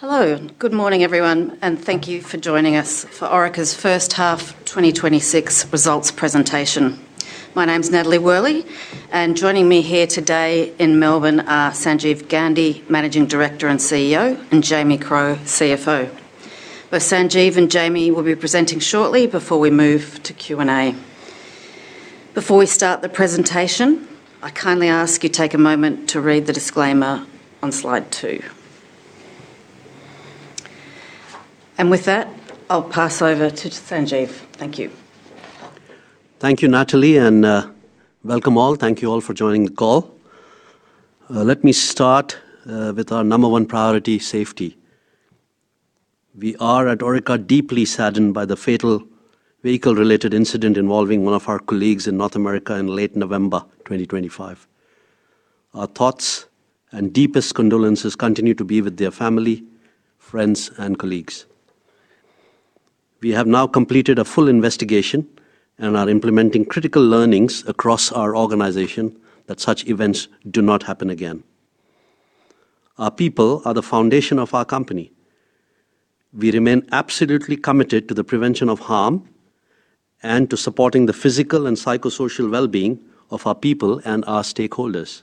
Hello. Good morning, everyone, and thank you for joining us for Orica's First Half 2026 Results Presentation. My name's Natalie Worley, and joining me here today in Melbourne are Sanjeev Gandhi, Managing Director and CEO, and James Crough, CFO. Both Sanjeev and James will be presenting shortly before we move to Q&A. Before we start the presentation, I kindly ask you take a moment to read the disclaimer on slide two. With that, I'll pass over to Sanjeev. Thank you. Thank you, Natalie, welcome all. Thank you all for joining the call. Let me start with our number one priority, safety. We are at Orica deeply saddened by the fatal vehicle-related incident involving one of our colleagues in North America in late November 2025. Our thoughts and deepest condolences continue to be with their family, friends, and colleagues. We have now completed a full investigation and are implementing critical learnings across our organization that such events do not happen again. Our people are the foundation of our company. We remain absolutely committed to the prevention of harm and to supporting the physical and psychosocial well-being of our people and our stakeholders.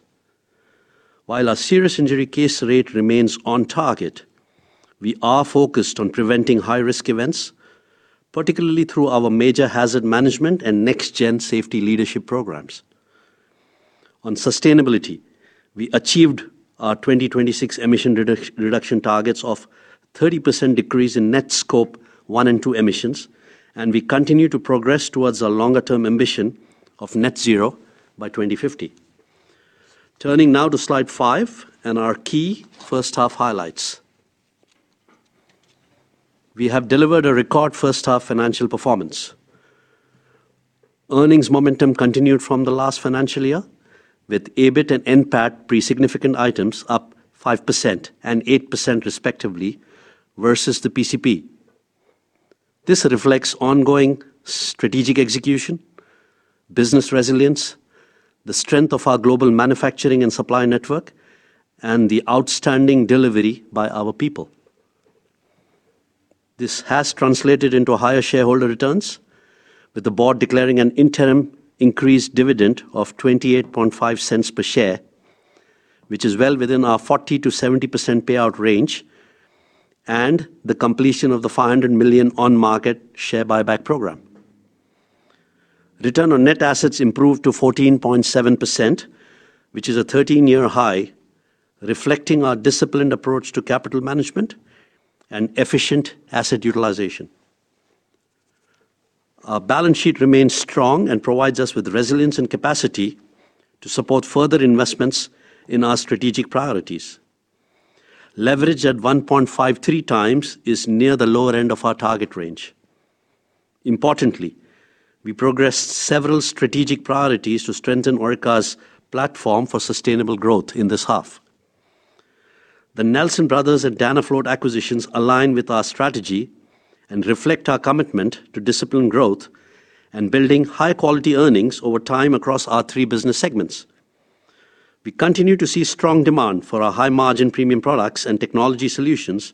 While our serious injury case rate remains on target, we are focused on preventing high-risk events, particularly through our major hazard management and next-gen safety leadership programs. On sustainability, we achieved our 2026 emission reduction targets of 30% decrease in net Scope one and two emissions, and we continue to progress towards a longer-term ambition of net zero by 2050. Turning now to slide five and our key first half highlights. We have delivered a record first half financial performance. Earnings momentum continued from the last financial year, with EBIT and NPAT pre-significant items up 5% and 8% respectively versus the PCP. This reflects ongoing strategic execution, business resilience, the strength of our global manufacturing and supply network, and the outstanding delivery by our people. This has translated into higher shareholder returns, with the board declaring an interim increased dividend of 0.285 per share, which is well within our 40%-70% payout range, and the completion of the 500 million on-market share buyback program. Return on net assets improved to 14.7%, which is a 13-year high, reflecting our disciplined approach to capital management and efficient asset utilization. Our balance sheet remains strong and provides us with resilience and capacity to support further investments in our strategic priorities. Leverage at 1.53x is near the lower end of our target range. Importantly, we progressed several strategic priorities to strengthen Orica's platform for sustainable growth in this half. The Nelson Brothers and Danafloat acquisitions align with our strategy and reflect our commitment to disciplined growth and building high-quality earnings over time across our 3 business segments. We continue to see strong demand for our high-margin premium products and technology solutions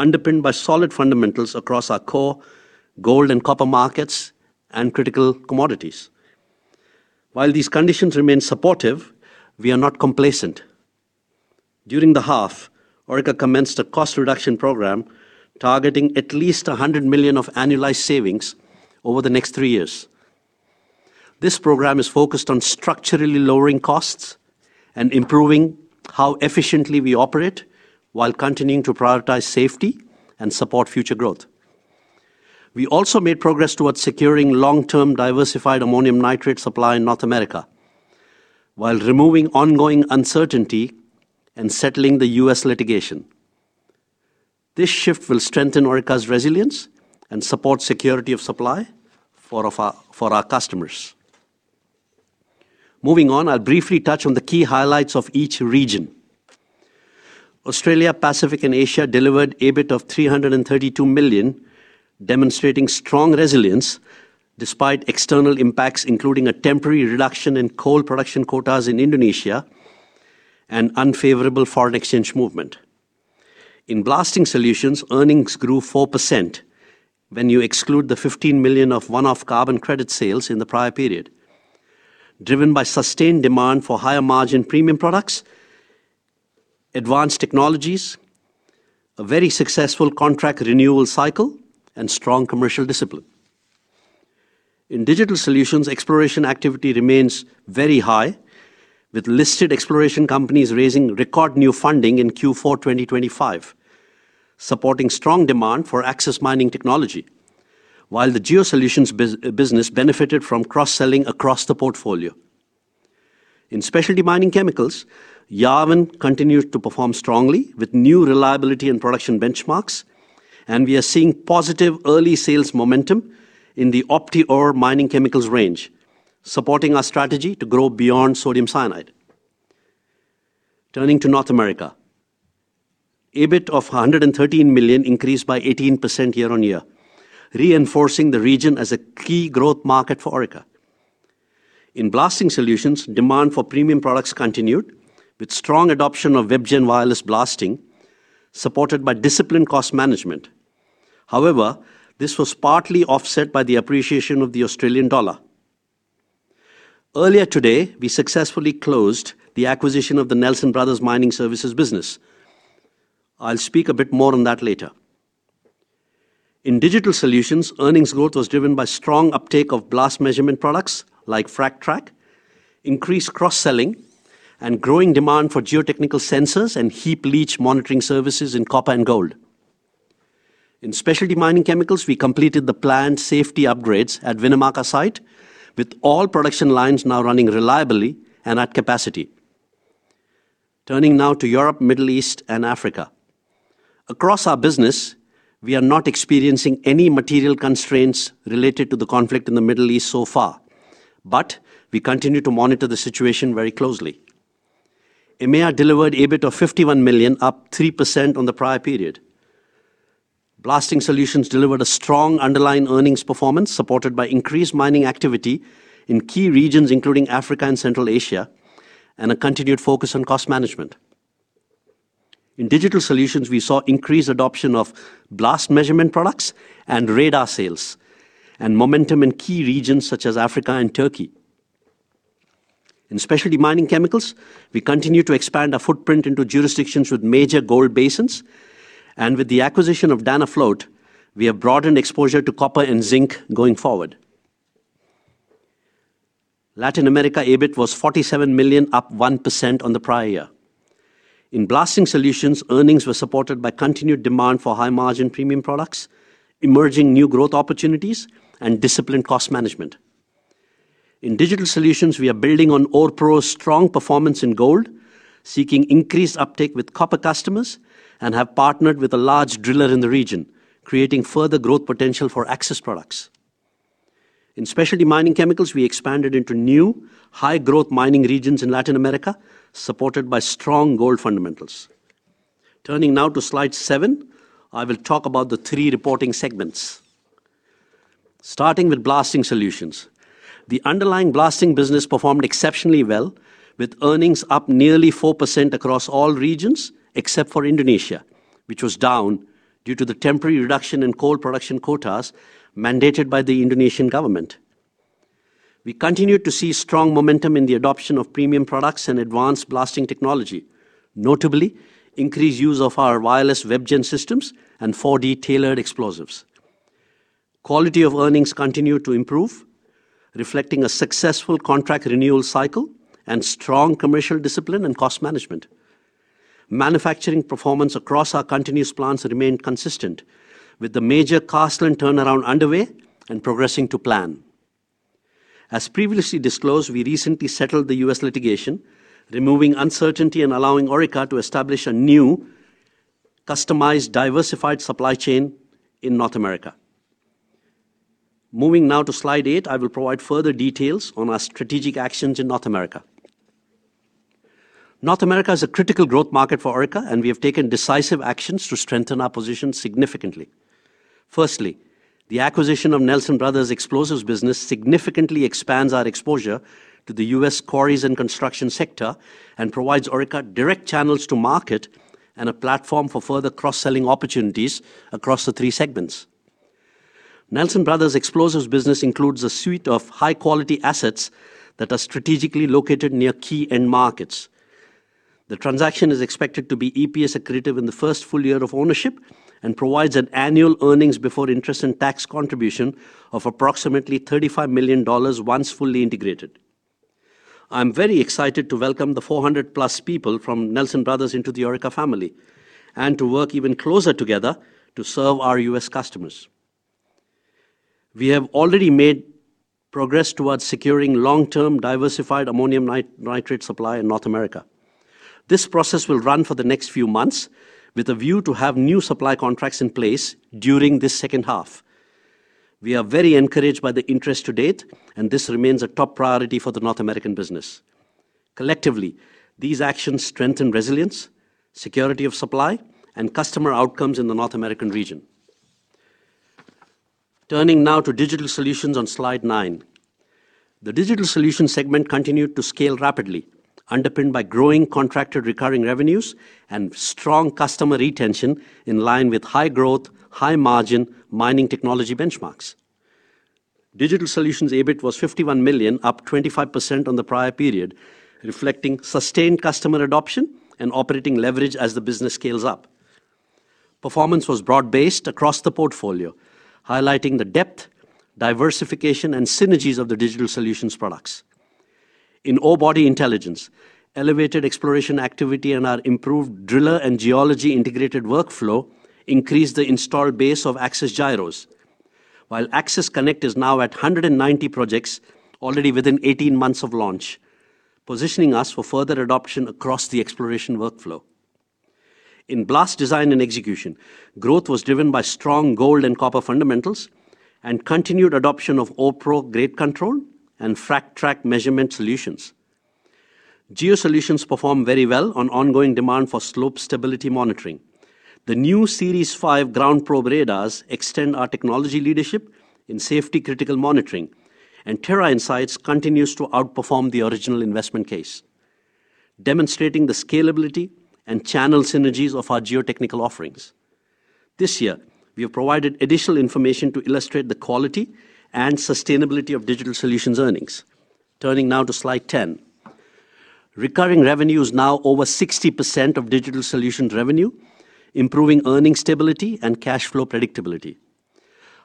underpinned by solid fundamentals across our core gold and copper markets and critical commodities. While these conditions remain supportive, we are not complacent. During the half, Orica commenced a cost reduction program targeting at least 100 million of annualized savings over the next three years. This program is focused on structurally lowering costs and improving how efficiently we operate while continuing to prioritize safety and support future growth. We also made progress towards securing long-term diversified ammonium nitrate supply in North America while removing ongoing uncertainty and settling the U.S. litigation. This shift will strengthen Orica's resilience and support security of supply for our customers. Moving on, I'll briefly touch on the key highlights of each region. Australia, Pacific, and Asia delivered EBIT of 332 million, demonstrating strong resilience despite external impacts, including a temporary reduction in coal production quotas in Indonesia and unfavorable foreign exchange movement. In Blasting Solutions, earnings grew 4% when you exclude the 15 million of one-off carbon credit sales in the prior period, driven by sustained demand for higher margin premium products, advanced technologies, a very successful contract renewal cycle, and strong commercial discipline. In Digital Solutions, exploration activity remains very high, with listed exploration companies raising record new funding in Q4 2025, supporting strong demand for Axis Mining Technology while the Geosolutions business benefited from cross-selling across the portfolio. In Specialty Mining Chemicals, Yarwun continued to perform strongly with new reliability and production benchmarks, and we are seeing positive early sales momentum in the OptiOre mining chemicals range, supporting our strategy to grow beyond sodium cyanide. Turning to North America. EBIT of 113 million increased by 18% year-on-year, reinforcing the region as a key growth market for Orica. In Blasting Solutions, demand for premium products continued with strong adoption of WebGen wireless blasting, supported by disciplined cost management. This was partly offset by the appreciation of the Australian dollar. Earlier today, we successfully closed the acquisition of the Nelson Brothers Mining Services business. I will speak a bit more on that later. In Digital Solutions, earnings growth was driven by strong uptake of blast measurement products like FRAGTrack, increased cross-selling, and growing demand for geotechnical sensors and heap leach monitoring services in copper and gold. In Specialty Mining Chemicals, we completed the planned safety upgrades at Winnemucca site, with all production lines now running reliably and at capacity. Turning now to Europe, Middle East, and Africa. Across our business, we are not experiencing any material constraints related to the conflict in the Middle East so far, but we continue to monitor the situation very closely. EMEA delivered EBIT of 51 million, up 3% on the prior period. Blasting Solutions delivered a strong underlying earnings performance supported by increased mining activity in key regions, including Africa and Central Asia, and a continued focus on cost management. In Digital Solutions, we saw increased adoption of blast measurement products and radar sales and momentum in key regions such as Africa and Turkey. In Specialty Mining Chemicals, we continue to expand our footprint into jurisdictions with major gold basins, and with the acquisition of Danafloat, we have broadened exposure to copper and zinc going forward. Latin America EBIT was 47 million, up 1% on the prior year. In Blasting Solutions, earnings were supported by continued demand for high-margin premium products, emerging new growth opportunities, and disciplined cost management. In Digital Solutions, we are building on OREPro's strong performance in gold, seeking increased uptake with copper customers, and have partnered with a large driller in the region, creating further growth potential for Axis products. In Specialty Mining Chemicals, we expanded into new high-growth mining regions in Latin America, supported by strong gold fundamentals. Turning now to slide seven, I will talk about the three reporting segments. Starting with Blasting Solutions. The underlying blasting business performed exceptionally well, with earnings up nearly 4% across all regions except for Indonesia, which was down due to the temporary reduction in coal production quotas mandated by the Indonesian government. We continued to see strong momentum in the adoption of premium products and advanced blasting technology, notably increased use of our wireless WebGen systems and 4D-tailored explosives. Quality of earnings continued to improve, reflecting a successful contract renewal cycle and strong commercial discipline and cost management. Manufacturing performance across our continuous plants remained consistent with the major Carseland turnaround underway and progressing to plan. As previously disclosed, we recently settled the U.S. litigation, removing uncertainty and allowing Orica to establish a new customized, diversified supply chain in North America. Moving now to slide eight, I will provide further details on our strategic actions in North America. North America is a critical growth market for Orica, and we have taken decisive actions to strengthen our position significantly. Firstly, the acquisition of Nelson Brothers explosives business significantly expands our exposure to the U.S. Quarrying and Construction sector and provides Orica direct channels to market and a platform for further cross-selling opportunities across the three segments. Nelson Brothers explosives business includes a suite of high-quality assets that are strategically located near key end markets. The transaction is expected to be EPS accretive in the 1st full-year of ownership and provides an annual EBIT contribution of approximately 35 million dollars once fully integrated. I'm very excited to welcome the 400+ people from Nelson Brothers into the Orica family and to work even closer together to serve our U.S. customers. We have already made progress towards securing long-term diversified ammonium nitrate supply in North America. This process will run for the next few months with a view to have new supply contracts in place during this second half. We are very encouraged by the interest to date. This remains a top priority for the North American business. Collectively, these actions strengthen resilience, security of supply, and customer outcomes in the North American region. Turning now to Digital Solutions on slide nine. The Digital Solutions segment continued to scale rapidly, underpinned by growing contracted recurring revenues and strong customer retention in line with high growth, high margin mining technology benchmarks. Digital Solutions EBIT was 51 million, up 25% on the prior period, reflecting sustained customer adoption and operating leverage as the business scales up. Performance was broad-based across the portfolio, highlighting the depth, diversification, and synergies of the Digital Solutions products. In Orebody Intelligence, elevated exploration activity and our improved driller and geology integrated workflow increased the installed base of AXIS Gyros, while AXIS Connect is now at 190 projects already within 18 months of launch, positioning us for further adoption across the exploration workflow. In Blast Design and Execution, growth was driven by strong gold and copper fundamentals and continued adoption of OREPro Grade Control and FRAGTrack measurement solutions. Geosolutions perform very well on ongoing demand for slope stability monitoring. The new Series-V GroundProbe radars extend our technology leadership in safety-critical monitoring. Terra Insights continues to outperform the original investment case, demonstrating the scalability and channel synergies of our geotechnical offerings. This year, we have provided additional information to illustrate the quality and sustainability of Digital Solutions earnings. Turning now to Slide 10. Recurring revenue is now over 60% of Digital Solutions revenue, improving earning stability and cash flow predictability.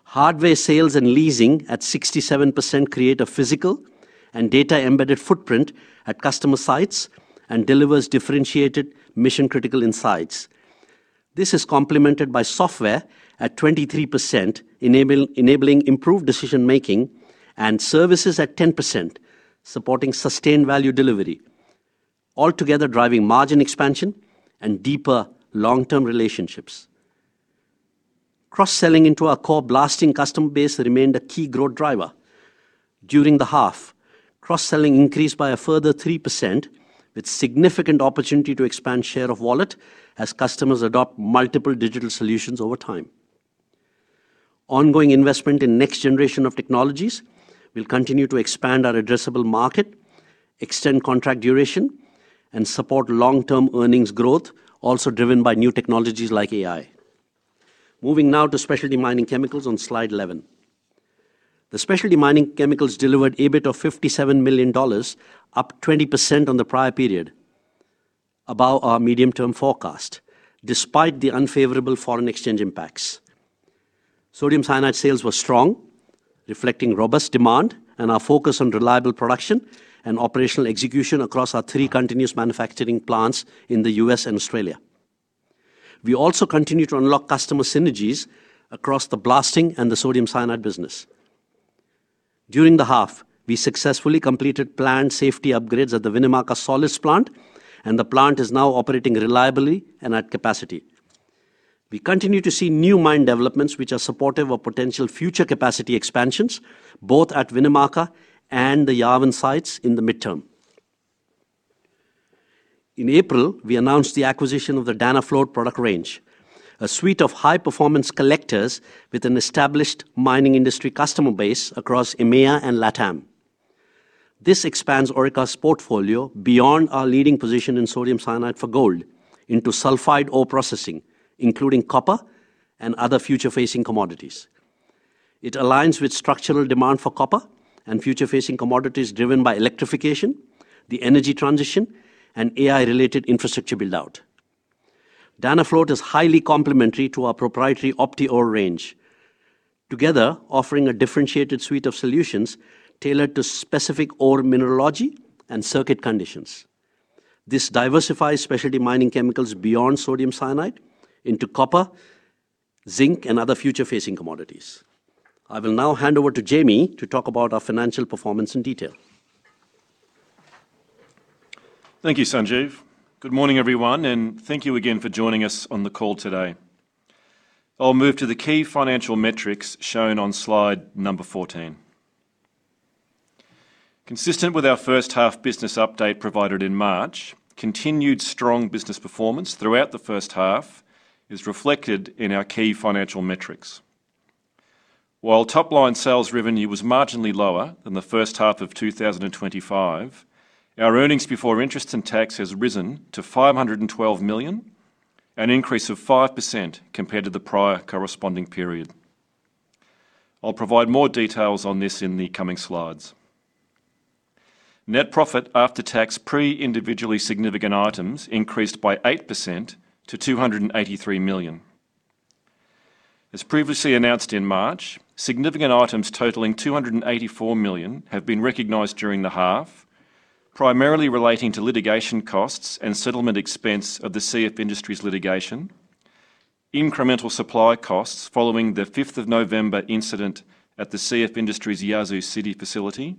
Hardware sales and leasing at 67% create a physical and data-embedded footprint at customer sites and delivers differentiated mission-critical insights. This is complemented by software at 23%, enabling improved decision-making, and services at 10%, supporting sustained value delivery, altogether driving margin expansion and deeper long-term relationships. Cross-selling into our core blasting customer base remained a key growth driver. During the half, cross-selling increased by a further 3%, with significant opportunity to expand share of wallet as customers adopt multiple Digital Solutions over time. Ongoing investment in next generation of technologies will continue to expand our addressable market, extend contract duration, and support long-term earnings growth, also driven by new technologies like AI. Moving now to Specialty Mining Chemicals on Slide 11. The Specialty Mining Chemicals delivered EBIT of 57 million dollars, up 20% on the prior period, above our medium-term forecast despite the unfavorable foreign exchange impacts. Sodium cyanide sales were strong, reflecting robust demand and our focus on reliable production and operational execution across our three continuous manufacturing plants in the U.S. and Australia. We also continue to unlock customer synergies across the blasting and the sodium cyanide business. During the half, we successfully completed plant safety upgrades at the Winnemucca solids plant, and the plant is now operating reliably and at capacity. We continue to see new mine developments which are supportive of potential future capacity expansions, both at Winnemucca and the Yarwun sites in the midterm. In April, we announced the acquisition of the Danafloat product range, a suite of high-performance collectors with an established mining industry customer base across EMEA and LATAM. This expands Orica's portfolio beyond our leading position in sodium cyanide for gold into sulfide ore processing, including copper and other future-facing commodities. It aligns with structural demand for copper and future-facing commodities driven by electrification, the energy transition, and AI-related infrastructure build-out. Danafloat is highly complementary to our proprietary OptiOre range, together offering a differentiated suite of solutions tailored to specific ore mineralogy and circuit conditions. This diversifies Specialty Mining Chemicals beyond sodium cyanide into copper, zinc, and other future-facing commodities. I will now hand over to James to talk about our financial performance in detail. Thank you, Sanjeev. Good morning, everyone, and thank you again for joining us on the call today. I'll move to the key financial metrics shown on slide number 14. Consistent with our first-half business update provided in March, continued strong business performance throughout the first half is reflected in our key financial metrics. While top-line sales revenue was marginally lower than the first half of 2025, our earnings before interest and tax has risen to 512 million, an increase of 5% compared to the prior corresponding period. I'll provide more details on this in the coming slides. Net profit after tax pre individually significant items increased by 8% to 283 million. As previously announced in March, significant items totaling 284 million have been recognized during the half, primarily relating to litigation costs and settlement expense of the CF Industries litigation, incremental supply costs following the 5th of November incident at the CF Industries Yazoo City facility,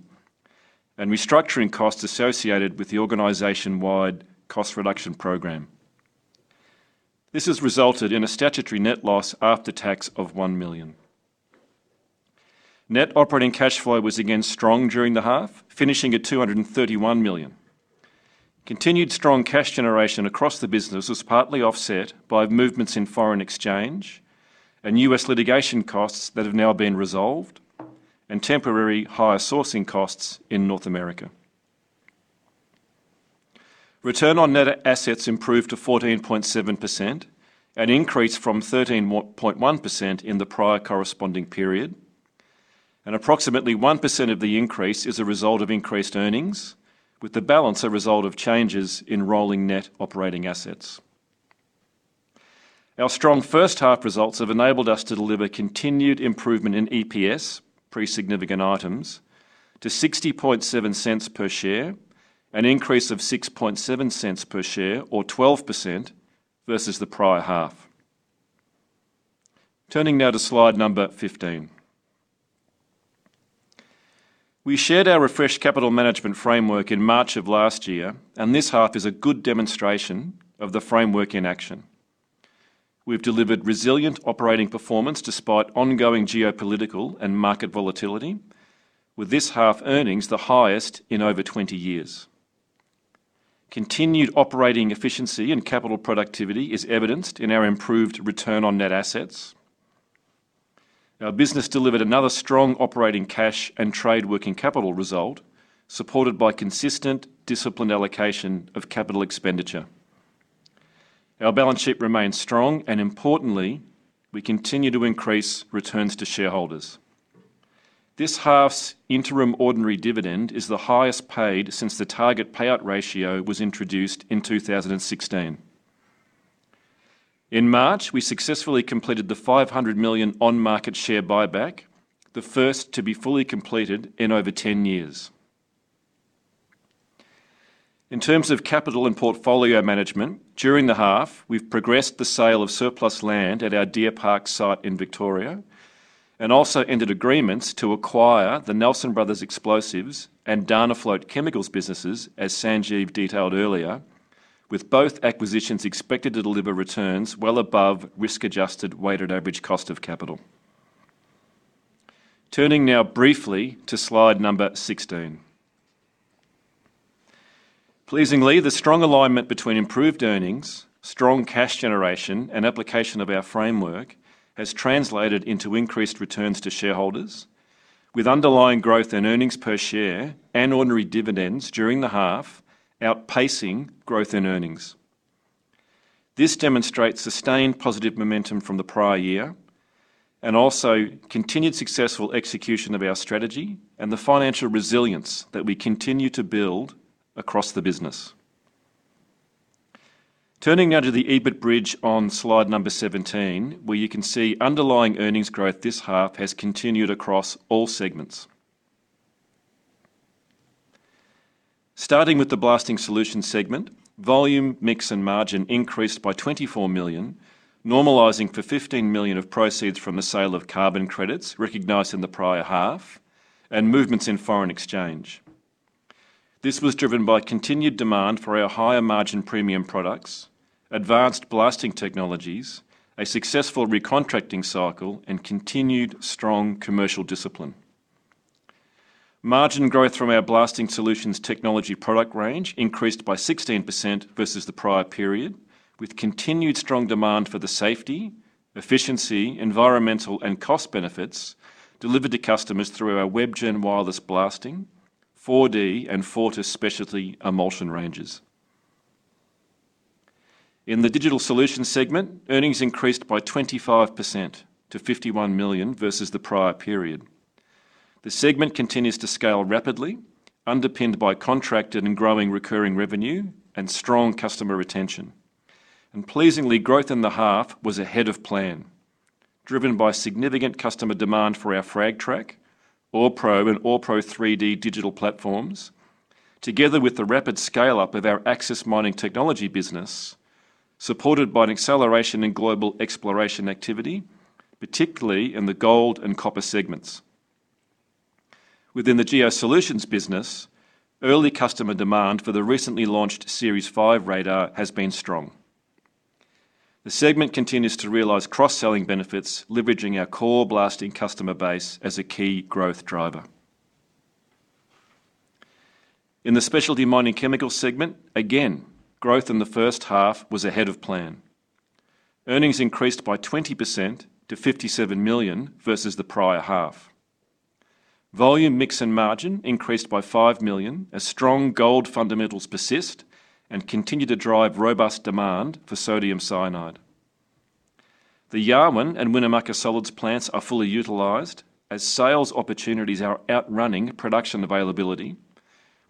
and restructuring costs associated with the organization-wide cost reduction program. This has resulted in a statutory net loss after tax of 1 million. Net operating cash flow was again strong during the half, finishing at 231 million. Continued strong cash generation across the business was partly offset by movements in foreign exchange and U.S. litigation costs that have now been resolved and temporary higher sourcing costs in North America. Return on net assets improved to 14.7%, an increase from 13.1% in the prior corresponding period. Approximately 1% of the increase is a result of increased earnings, with the balance a result of changes in rolling net operating assets. Our strong first half results have enabled us to deliver continued improvement in EPS, pre significant items, to 0.607 per share, an increase of 0.067 per share or 12% versus the prior half. Turning now to slide number 15. We shared our refreshed capital management framework in March of last year. This half is a good demonstration of the framework in action. We've delivered resilient operating performance despite ongoing geopolitical and market volatility, with this half earnings the highest in over 20 years. Continued operating efficiency and capital productivity is evidenced in our improved return on net assets. Our business delivered another strong operating cash and trade working capital result, supported by consistent disciplined allocation of capital expenditure. Our balance sheet remains strong. Importantly, we continue to increase returns to shareholders. This half's interim ordinary dividend is the highest paid since the target payout ratio was introduced in 2016. In March, we successfully completed the 500 million on-market share buyback, the first to be fully completed in over 10 years. In terms of capital and portfolio management, during the half, we've progressed the sale of surplus land at our Deer Park site in Victoria and also entered agreements to acquire the Nelson Brothers Explosives and Danafloat Chemicals businesses, as Sanjeev Gandhi detailed earlier, with both acquisitions expected to deliver returns well above risk-adjusted weighted average cost of capital. Turning now briefly to slide number 16. Pleasingly, the strong alignment between improved earnings, strong cash generation, and application of our framework has translated into increased returns to shareholders with underlying growth in earnings per share and ordinary dividends during the half outpacing growth in earnings. This demonstrates sustained positive momentum from the prior year and also continued successful execution of our strategy and the financial resilience that we continue to build across the business. Turning now to the EBIT bridge on slide number 17, where you can see underlying earnings growth this half has continued across all segments. Starting with the Blasting Solutions segment, volume, mix, and margin increased by 24 million, normalizing for 15 million of proceeds from the sale of carbon credits recognized in the prior half and movements in foreign exchange. This was driven by continued demand for our higher-margin premium products, advanced blasting technologies, a successful recontracting cycle, and continued strong commercial discipline. Margin growth from our Blasting Solutions technology product range increased by 16% versus the prior period, with continued strong demand for the safety, efficiency, environmental, and cost benefits delivered to customers through our WebGen Wireless Blasting, 4D, and Fortis specialty emulsion ranges. In the Digital Solutions segment, earnings increased by 25% to 51 million versus the prior period. The segment continues to scale rapidly, underpinned by contracted and growing recurring revenue and strong customer retention. Pleasingly, growth in the half was ahead of plan, driven by significant customer demand for our FRAGTrack, OREPro, and OREPro 3D digital platforms, together with the rapid scale-up of our Axis Mining Technology business, supported by an acceleration in global exploration activity, particularly in the gold and copper segments. Within the Geosolutions business, early customer demand for the recently launched Series-V radar has been strong. The segment continues to realize cross-selling benefits, leveraging our core blasting customer base as a key growth driver. In the Specialty Mining Chemicals segment, again, growth in the first half was ahead of plan. Earnings increased by 20% to 57 million versus the prior half. Volume, mix, and margin increased by 5 million as strong gold fundamentals persist and continue to drive robust demand for sodium cyanide. The Yarwun and Winnemucca solids plants are fully utilized as sales opportunities are outrunning production availability,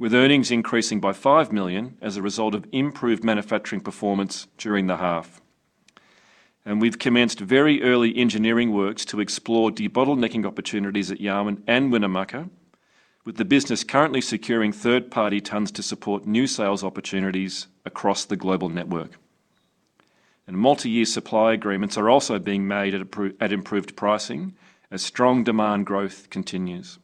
with earnings increasing by 5 million as a result of improved manufacturing performance during the half. We've commenced very early engineering works to explore debottlenecking opportunities at Yarwun and Winnemucca, with the business currently securing third-party tons to support new sales opportunities across the global network. Multi-year supply agreements are also being made at improved pricing as strong demand growth continues.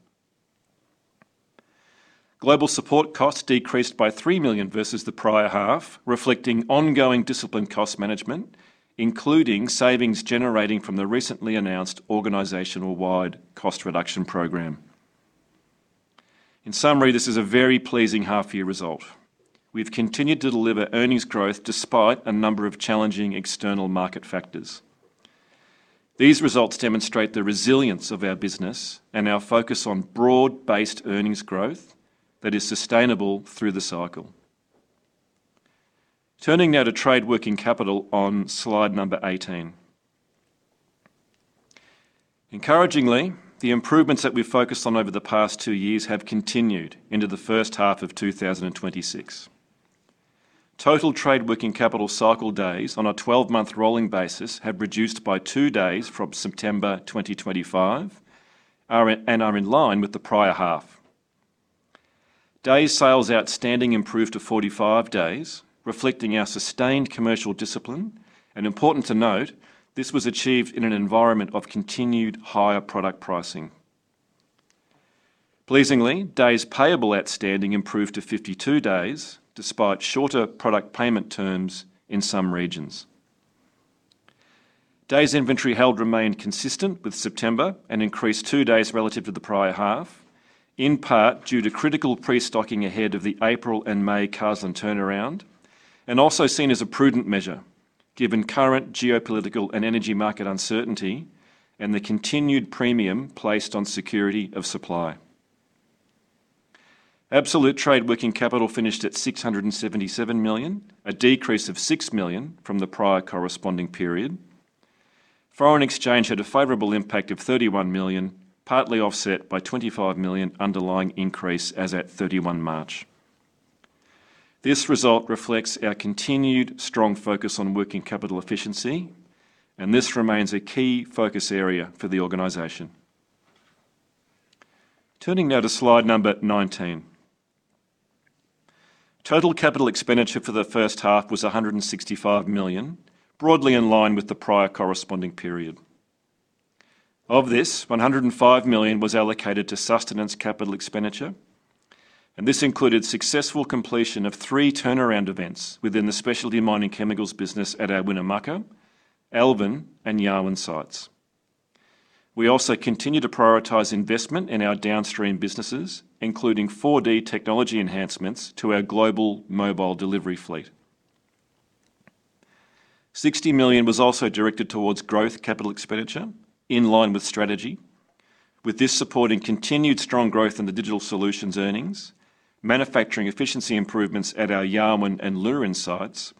Global support costs decreased by 3 million versus the prior half, reflecting ongoing disciplined cost management, including savings generating from the recently announced organizational-wide cost reduction program. In summary, this is a very pleasing half-year result. We've continued to deliver earnings growth despite a number of challenging external market factors. These results demonstrate the resilience of our business and our focus on broad-based earnings growth that is sustainable through the cycle. Turning now to trade working capital on slide number 18. Encouragingly, the improvements that we've focused on over the past two years have continued into the first half of 2026. Total trade working capital cycle days on a 12-month rolling basis have reduced by two days from September 2025, are in, and are in line with the prior half. Days sales outstanding improved to 45 days, reflecting our sustained commercial discipline, and important to note, this was achieved in an environment of continued higher product pricing. Pleasingly, days payable outstanding improved to 52 days despite shorter product payment terms in some regions. Days inventory held remained consistent with September and increased two days relative to the prior half, in part due to critical pre-stocking ahead of the April and May Carseland turnaround and also seen as a prudent measure given current geopolitical and energy market uncertainty and the continued premium placed on security of supply. Absolute trade working capital finished at 677 million, a decrease of 6 million from the prior corresponding period. Foreign exchange had a favorable impact of 31 million, partly offset by 25 million underlying increase as at 31 March. This result reflects our continued strong focus on working capital efficiency. This remains a key focus area for the organization. Turning now to slide number 19. Total capital expenditure for the first half was 165 million, broadly in line with the prior corresponding period. Of this, 105 million was allocated to sustenance capital expenditure. This included successful completion of three turnaround events within the Specialty Mining Chemicals business at our Winnemucca, Alvin, and Yarwun sites. We also continue to prioritize investment in our downstream businesses, including 4D technology enhancements to our global mobile delivery fleet. 60 million was also directed towards growth capital expenditure in line with strategy with this supporting continued strong growth in the Digital Solutions earnings, manufacturing efficiency improvements at our Yarwun and Lurin sites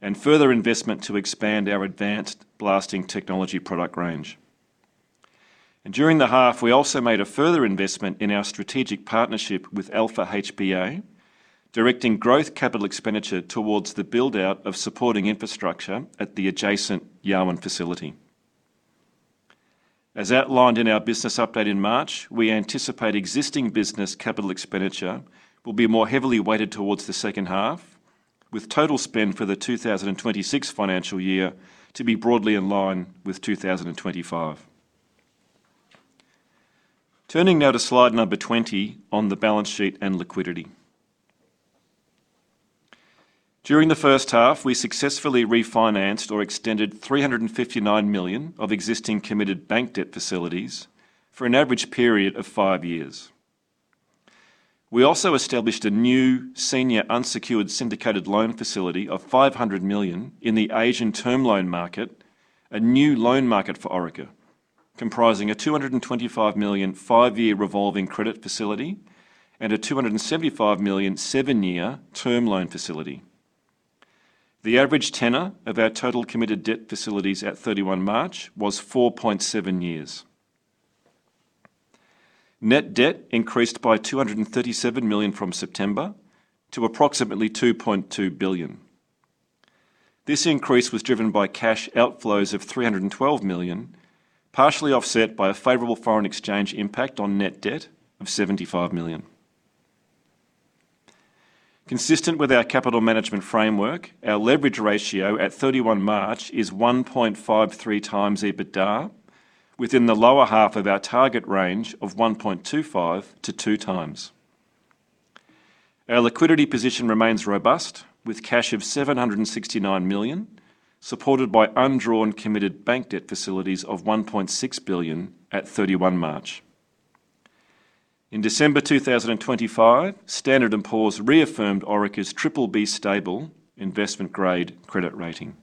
and further investment to expand our advanced blasting technology product range. During the half, we also made a further investment in our strategic partnership with Alpha HPA, directing growth capital expenditure towards the build-out of supporting infrastructure at the adjacent Yarwun facility. As outlined in our business update in March, we anticipate existing business capital expenditure will be more heavily weighted towards the second half, with total spend for the 2026 financial year to be broadly in line with 2025. Turning now to slide number 20 on the balance sheet and liquidity. During the first half, we successfully refinanced or extended 359 million of existing committed bank debt facilities for an average period of five years. We also established a new senior unsecured syndicated loan facility of 500 million in the Asian term loan market, a new loan market for Orica, comprising an 225 million five year revolving credit facility and an 275 million seven year term loan facility. The average tenor of our total committed debt facilities at 31 March was 4.7 years. Net debt increased by AUD 237 million from September to approximately AUD 2.2 billion. This increase was driven by cash outflows of AUD 312 million, partially offset by a favorable foreign exchange impact on net debt of AUD 75 million. Consistent with our capital management framework, our leverage ratio at 31 March is 1.53x EBITDA within the lower half of our target range of 1.25 to 2x. Our liquidity position remains robust with cash of AUD 769 million, supported by undrawn committed bank debt facilities of AUD 1.6 billion at 31 March. In December 2025, Standard and Poor's reaffirmed Orica's BBB stable investment-grade credit rating.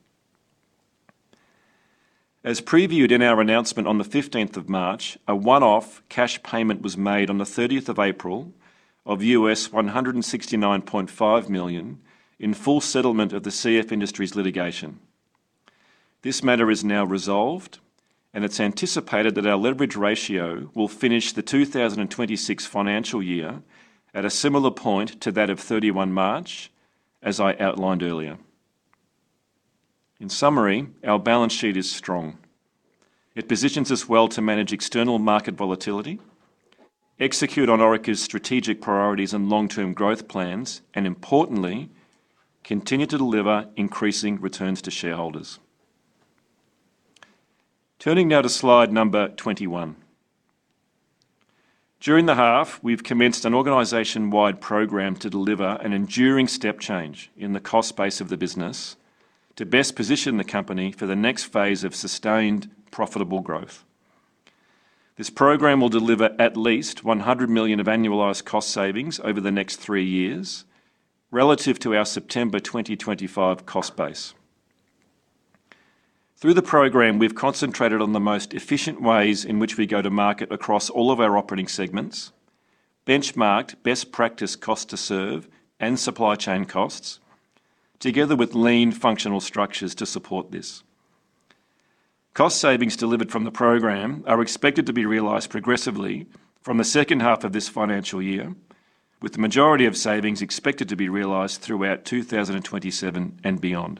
As previewed in our announcement on the 15th of March, a one-off cash payment was made on the 13th of April of US$169.5 million in full settlement of the CF Industries litigation. This matter is now resolved. It's anticipated that our leverage ratio will finish the 2026 financial year at a similar point to that of 31 March, as I outlined earlier. In summary, our balance sheet is strong. It positions us well to manage external market volatility, execute on Orica's strategic priorities and long-term growth plans, and importantly, continue to deliver increasing returns to shareholders. Turning now to slide number 21. During the half, we've commenced an organization-wide program to deliver an enduring step change in the cost base of the business to best position the company for the next phase of sustained profitable growth. This program will deliver at least 100 million of annualized cost savings over the next three years relative to our September 2025 cost base. Through the program, we've concentrated on the most efficient ways in which we go to market across all of our operating segments, benchmarked best practice cost to serve and supply chain costs together with lean functional structures to support this. Cost savings delivered from the program are expected to be realized progressively from the second half of this financial year, with the majority of savings expected to be realized throughout 2027 and beyond.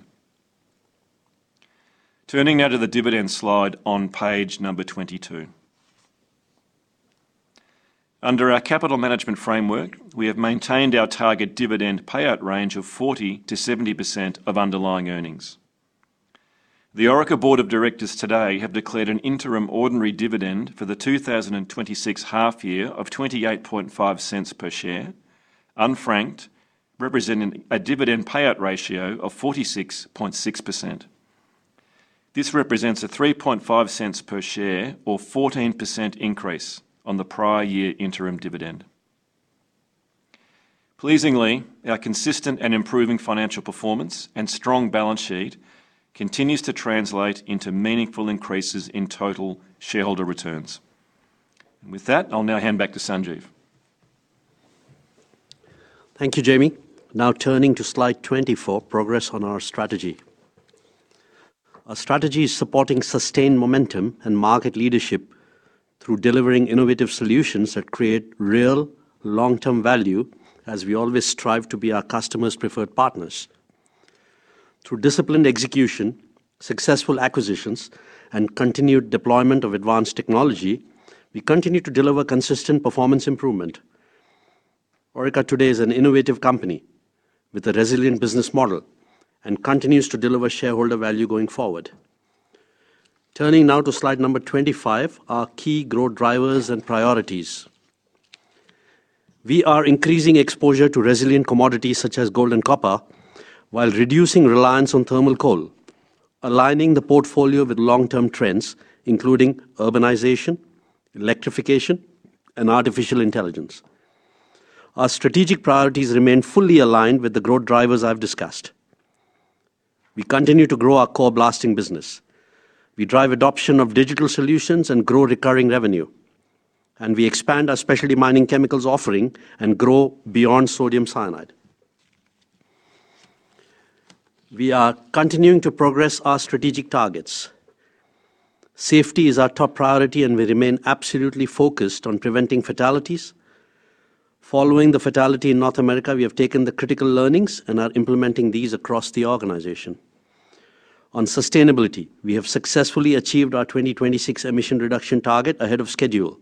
Turning now to the dividend slide on page number 22. Under our capital management framework, we have maintained our target dividend payout range of 40%-70% of underlying earnings. The Orica board of directors today have declared an interim ordinary dividend for the 2026 half year of 0.285 per share, unfranked, representing a dividend payout ratio of 46.6%. This represents a 0.035 per share or 14% increase on the prior year interim dividend. Pleasingly, our consistent and improving financial performance and strong balance sheet continues to translate into meaningful increases in total shareholder returns. With that, I'll now hand back to Sanjeev Gandhi. Thank you, James. Turning to slide 20 for progress on our strategy. Our strategy is supporting sustained momentum and market leadership through delivering innovative solutions that create real long-term value as we always strive to be our customers' preferred partners. Through disciplined execution, successful acquisitions, and continued deployment of advanced technology, we continue to deliver consistent performance improvement. Orica today is an innovative company with a resilient business model and continues to deliver shareholder value going forward. Turning to slide number 25, our key growth drivers and priorities. We are increasing exposure to resilient commodities such as gold and copper while reducing reliance on thermal coal, aligning the portfolio with long-term trends, including urbanization, electrification, and artificial intelligence. Our strategic priorities remain fully aligned with the growth drivers I've discussed. We continue to grow our core blasting business. We drive adoption of Digital Solutions and grow recurring revenue. We expand our Specialty Mining Chemicals offering and grow beyond sodium cyanide. We are continuing to progress our strategic targets. Safety is our top priority, and we remain absolutely focused on preventing fatalities. Following the fatality in North America, we have taken the critical learnings and are implementing these across the organization. On sustainability, we have successfully achieved our 2026 emission reduction target ahead of schedule,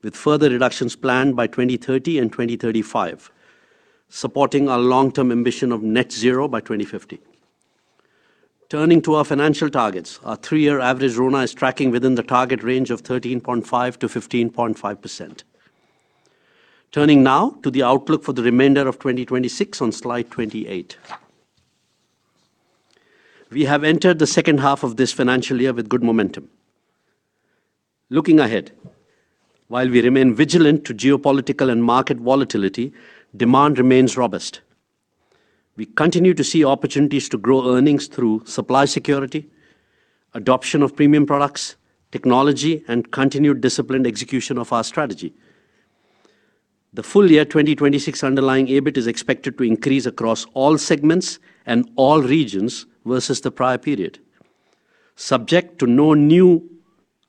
with further reductions planned by 2030 and 2035, supporting our long-term ambition of net zero by 2050. Turning to our financial targets, our three-year average RONA is tracking within the target range of 13.5%-15.5%. Turning now to the outlook for the remainder of 2026 on Slide 28. We have entered the second half of this financial year with good momentum. Looking ahead, while we remain vigilant to geopolitical and market volatility, demand remains robust. We continue to see opportunities to grow earnings through supply security, adoption of premium products, technology, and continued disciplined execution of our strategy. The full-year 2026 underlying EBIT is expected to increase across all segments and all regions versus the prior period, subject to no new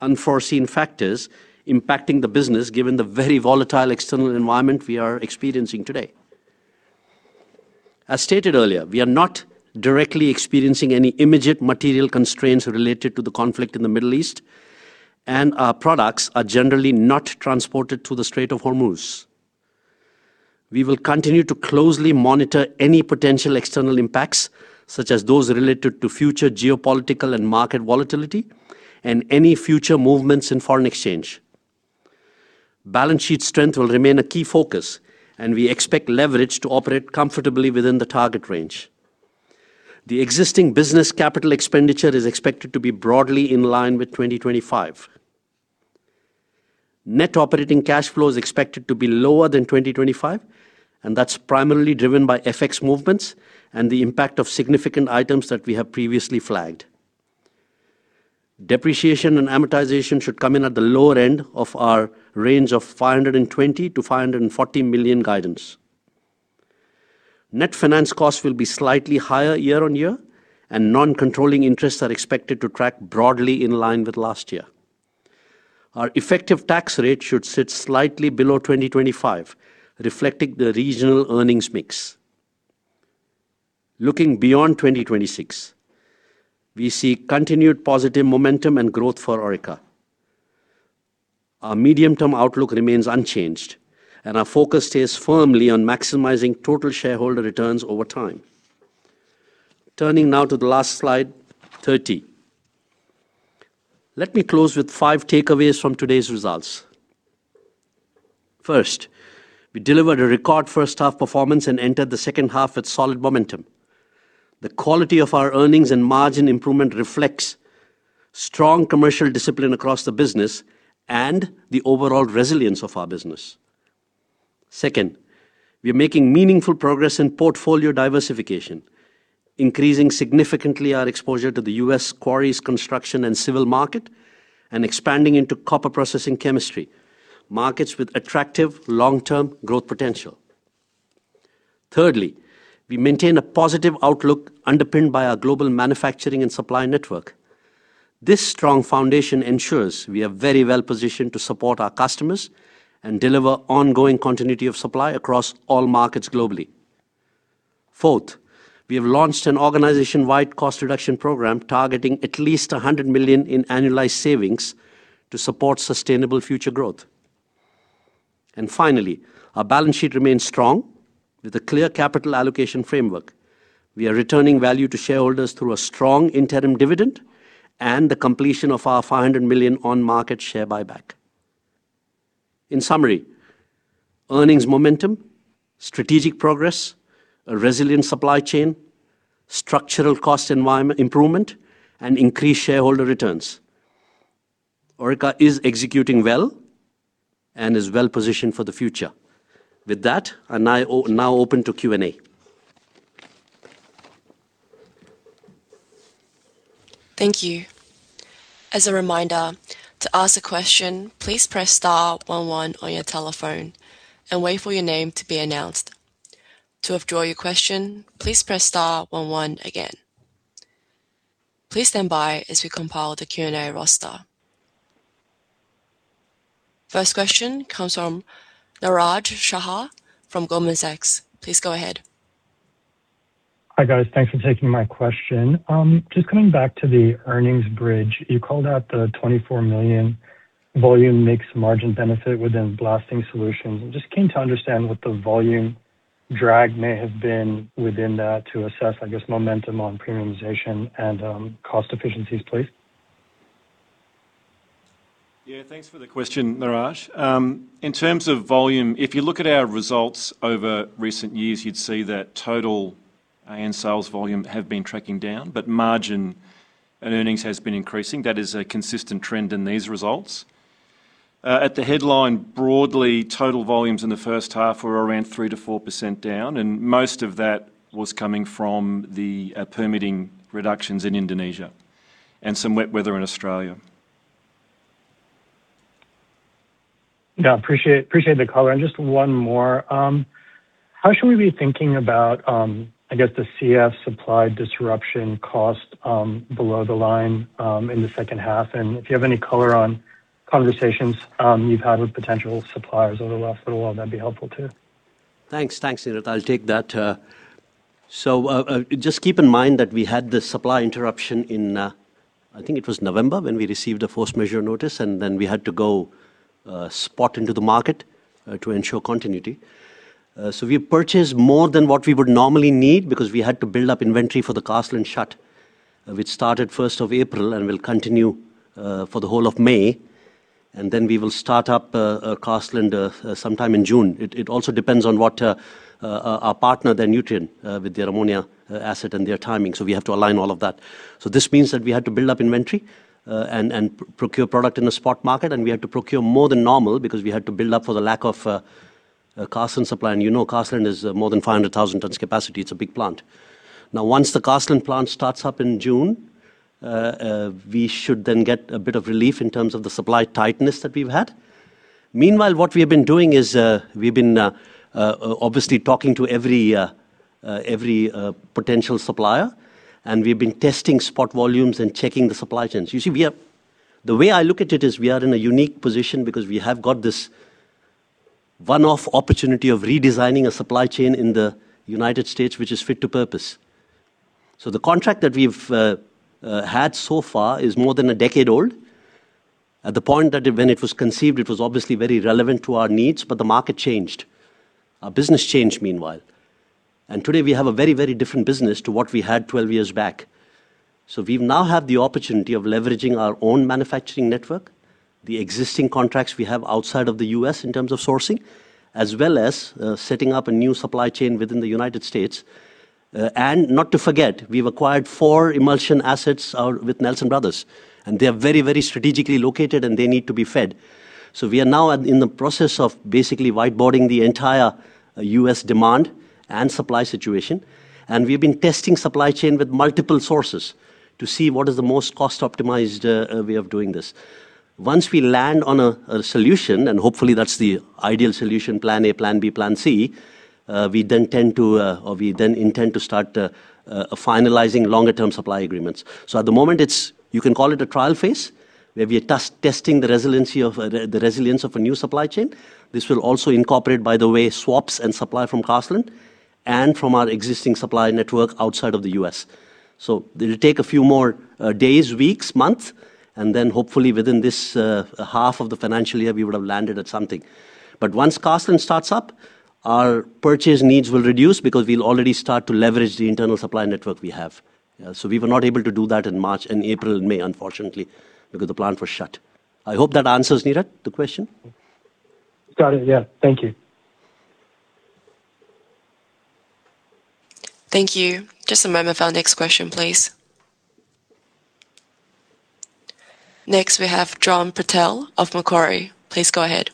unforeseen factors impacting the business given the very volatile external environment we are experiencing today. As stated earlier, we are not directly experiencing any immediate material constraints related to the conflict in the Middle East, and our products are generally not transported through the Strait of Hormuz. We will continue to closely monitor any potential external impacts, such as those related to future geopolitical and market volatility and any future movements in foreign exchange. Balance sheet strength will remain a key focus, and we expect leverage to operate comfortably within the target range. The existing business capital expenditure is expected to be broadly in line with 2025. Net operating cash flow is expected to be lower than 2025, and that's primarily driven by FX movements and the impact of significant items that we have previously flagged. Depreciation and amortization should come in at the lower end of our range of 520 million-540 million guidance. Net finance costs will be slightly higher year-on-year, and non-controlling interests are expected to track broadly in line with last year. Our effective tax rate should sit slightly below 2025, reflecting the regional earnings mix. Looking beyond 2026, we see continued positive momentum and growth for Orica. Our medium-term outlook remains unchanged, and our focus stays firmly on maximizing total shareholder returns over time. Turning now to the last slide, 30. Let me close with 5 takeaways from today's results. First, we delivered a record first half performance and entered the second half with solid momentum. The quality of our earnings and margin improvement reflects strong commercial discipline across the business and the overall resilience of our business. Second, we are making meaningful progress in portfolio diversification, increasing significantly our exposure to the U.S. quarries construction and civil market, and expanding into copper processing chemistry, markets with attractive long-term growth potential. Thirdly, we maintain a positive outlook underpinned by our global manufacturing and supply network. This strong foundation ensures we are very well-positioned to support our customers and deliver ongoing continuity of supply across all markets globally. Fourth, we have launched an organization-wide cost reduction program targeting at least 100 million in annualized savings to support sustainable future growth. Finally, our balance sheet remains strong with a clear capital allocation framework. We are returning value to shareholders through a strong interim dividend and the completion of our 500 million on-market share buyback. In summary, earnings momentum, strategic progress, a resilient supply chain, structural cost environment improvement, and increased shareholder returns. Orica is executing well and is well-positioned for the future. With that, I now open to Q&A. Thank you. As a reminder, to ask a question, please press star 11 on your telephone and wait for your name to be announced. To withdraw your question, please press star 11 again. Please stand by as we compile the Q&A roster. First question comes from Niraj Shah from Goldman Sachs. Please go ahead. Hi, guys. Thanks for taking my question. Just coming back to the earnings bridge. You called out the 24 million volume mixed margin benefit within Blasting Solutions. I'm just keen to understand what the volume drag may have been within that to assess, I guess, momentum on premiumization and cost efficiencies, please. Thanks for the question, Niraj. In terms of volume, if you look at our results over recent years, you'd see that total AN sales volume have been tracking down, but margin and earnings has been increasing. That is a consistent trend in these results. At the headline, broadly, total volumes in the first half were around 3%-4% down, and most of that was coming from the permitting reductions in Indonesia and some wet weather in Australia. Yeah, appreciate the color. Just one more. How should we be thinking about, I guess, the CF supply disruption cost, below the line, in the second half? If you have any color on conversations, you've had with potential suppliers over the last little while, that'd be helpful too. Thanks. Thanks, Niraj. I'll take that. Just keep in mind that we had the supply interruption in, I think it was November when we received a force majeure notice, and then we had to go spot into the market to ensure continuity. We purchased more than what we would normally need because we had to build up inventory for the Carseland shut, which started first of April and will continue for the whole of May. We will start up Carseland sometime in June. It also depends on what our partner, Nutrien, with their ammonia asset and their timing. We have to align all of that. This means that we had to build up inventory, and procure product in the spot market, and we had to procure more than normal because we had to build up for the lack of Carseland supply. You know, Carseland is more than 500,000 tons capacity. It's a big plant. Once the Carseland plant starts up in June, we should then get a bit of relief in terms of the supply tightness that we've had. What we have been doing is, we've been obviously talking to every potential supplier, and we've been testing spot volumes and checking the supply chains. The way I look at it is we are in a unique position because we have got this one-off opportunity of redesigning a supply chain in the U.S., which is fit for purpose. The contract that we've had so far is more than a decade old. At the point when it was conceived, it was obviously very relevant to our needs. The market changed. Our business changed meanwhile. Today, we have a very, very different business to what we had 12 years back. We now have the opportunity of leveraging our own manufacturing network, the existing contracts we have outside of the U.S. in terms of sourcing, as well as setting up a new supply chain within the U.S. Not to forget, we've acquired 4 emulsion assets out with Nelson Brothers, and they are very, very strategically located and they need to be fed. We are now in the process of basically whiteboarding the entire U.S. demand and supply situation. We've been testing supply chain with multiple sources to see what is the most cost-optimized way of doing this. Once we land on a solution, and hopefully that's the ideal solution, plan A, plan B, plan C, we then tend to, or we then intend to start finalizing longer term supply agreements. At the moment it's you can call it a trial phase, where we are testing the resilience of a new supply chain. This will also incorporate, by the way, swaps and supply from Carseland and from our existing supply network outside of the U.S. It'll take a few more days, weeks, months, and then hopefully within this half of the financial year, we would have landed at something. Once Carseland starts up, our purchase needs will reduce because we'll already start to leverage the internal supply network we have. We were not able to do that in March and April and May, unfortunately, because the plant was shut. I hope that answers, Niraj, the question. Got it. Yeah. Thank you. Thank you. Just a moment for our next question, please. Next, we have John Purtell of Macquarie. Please go ahead.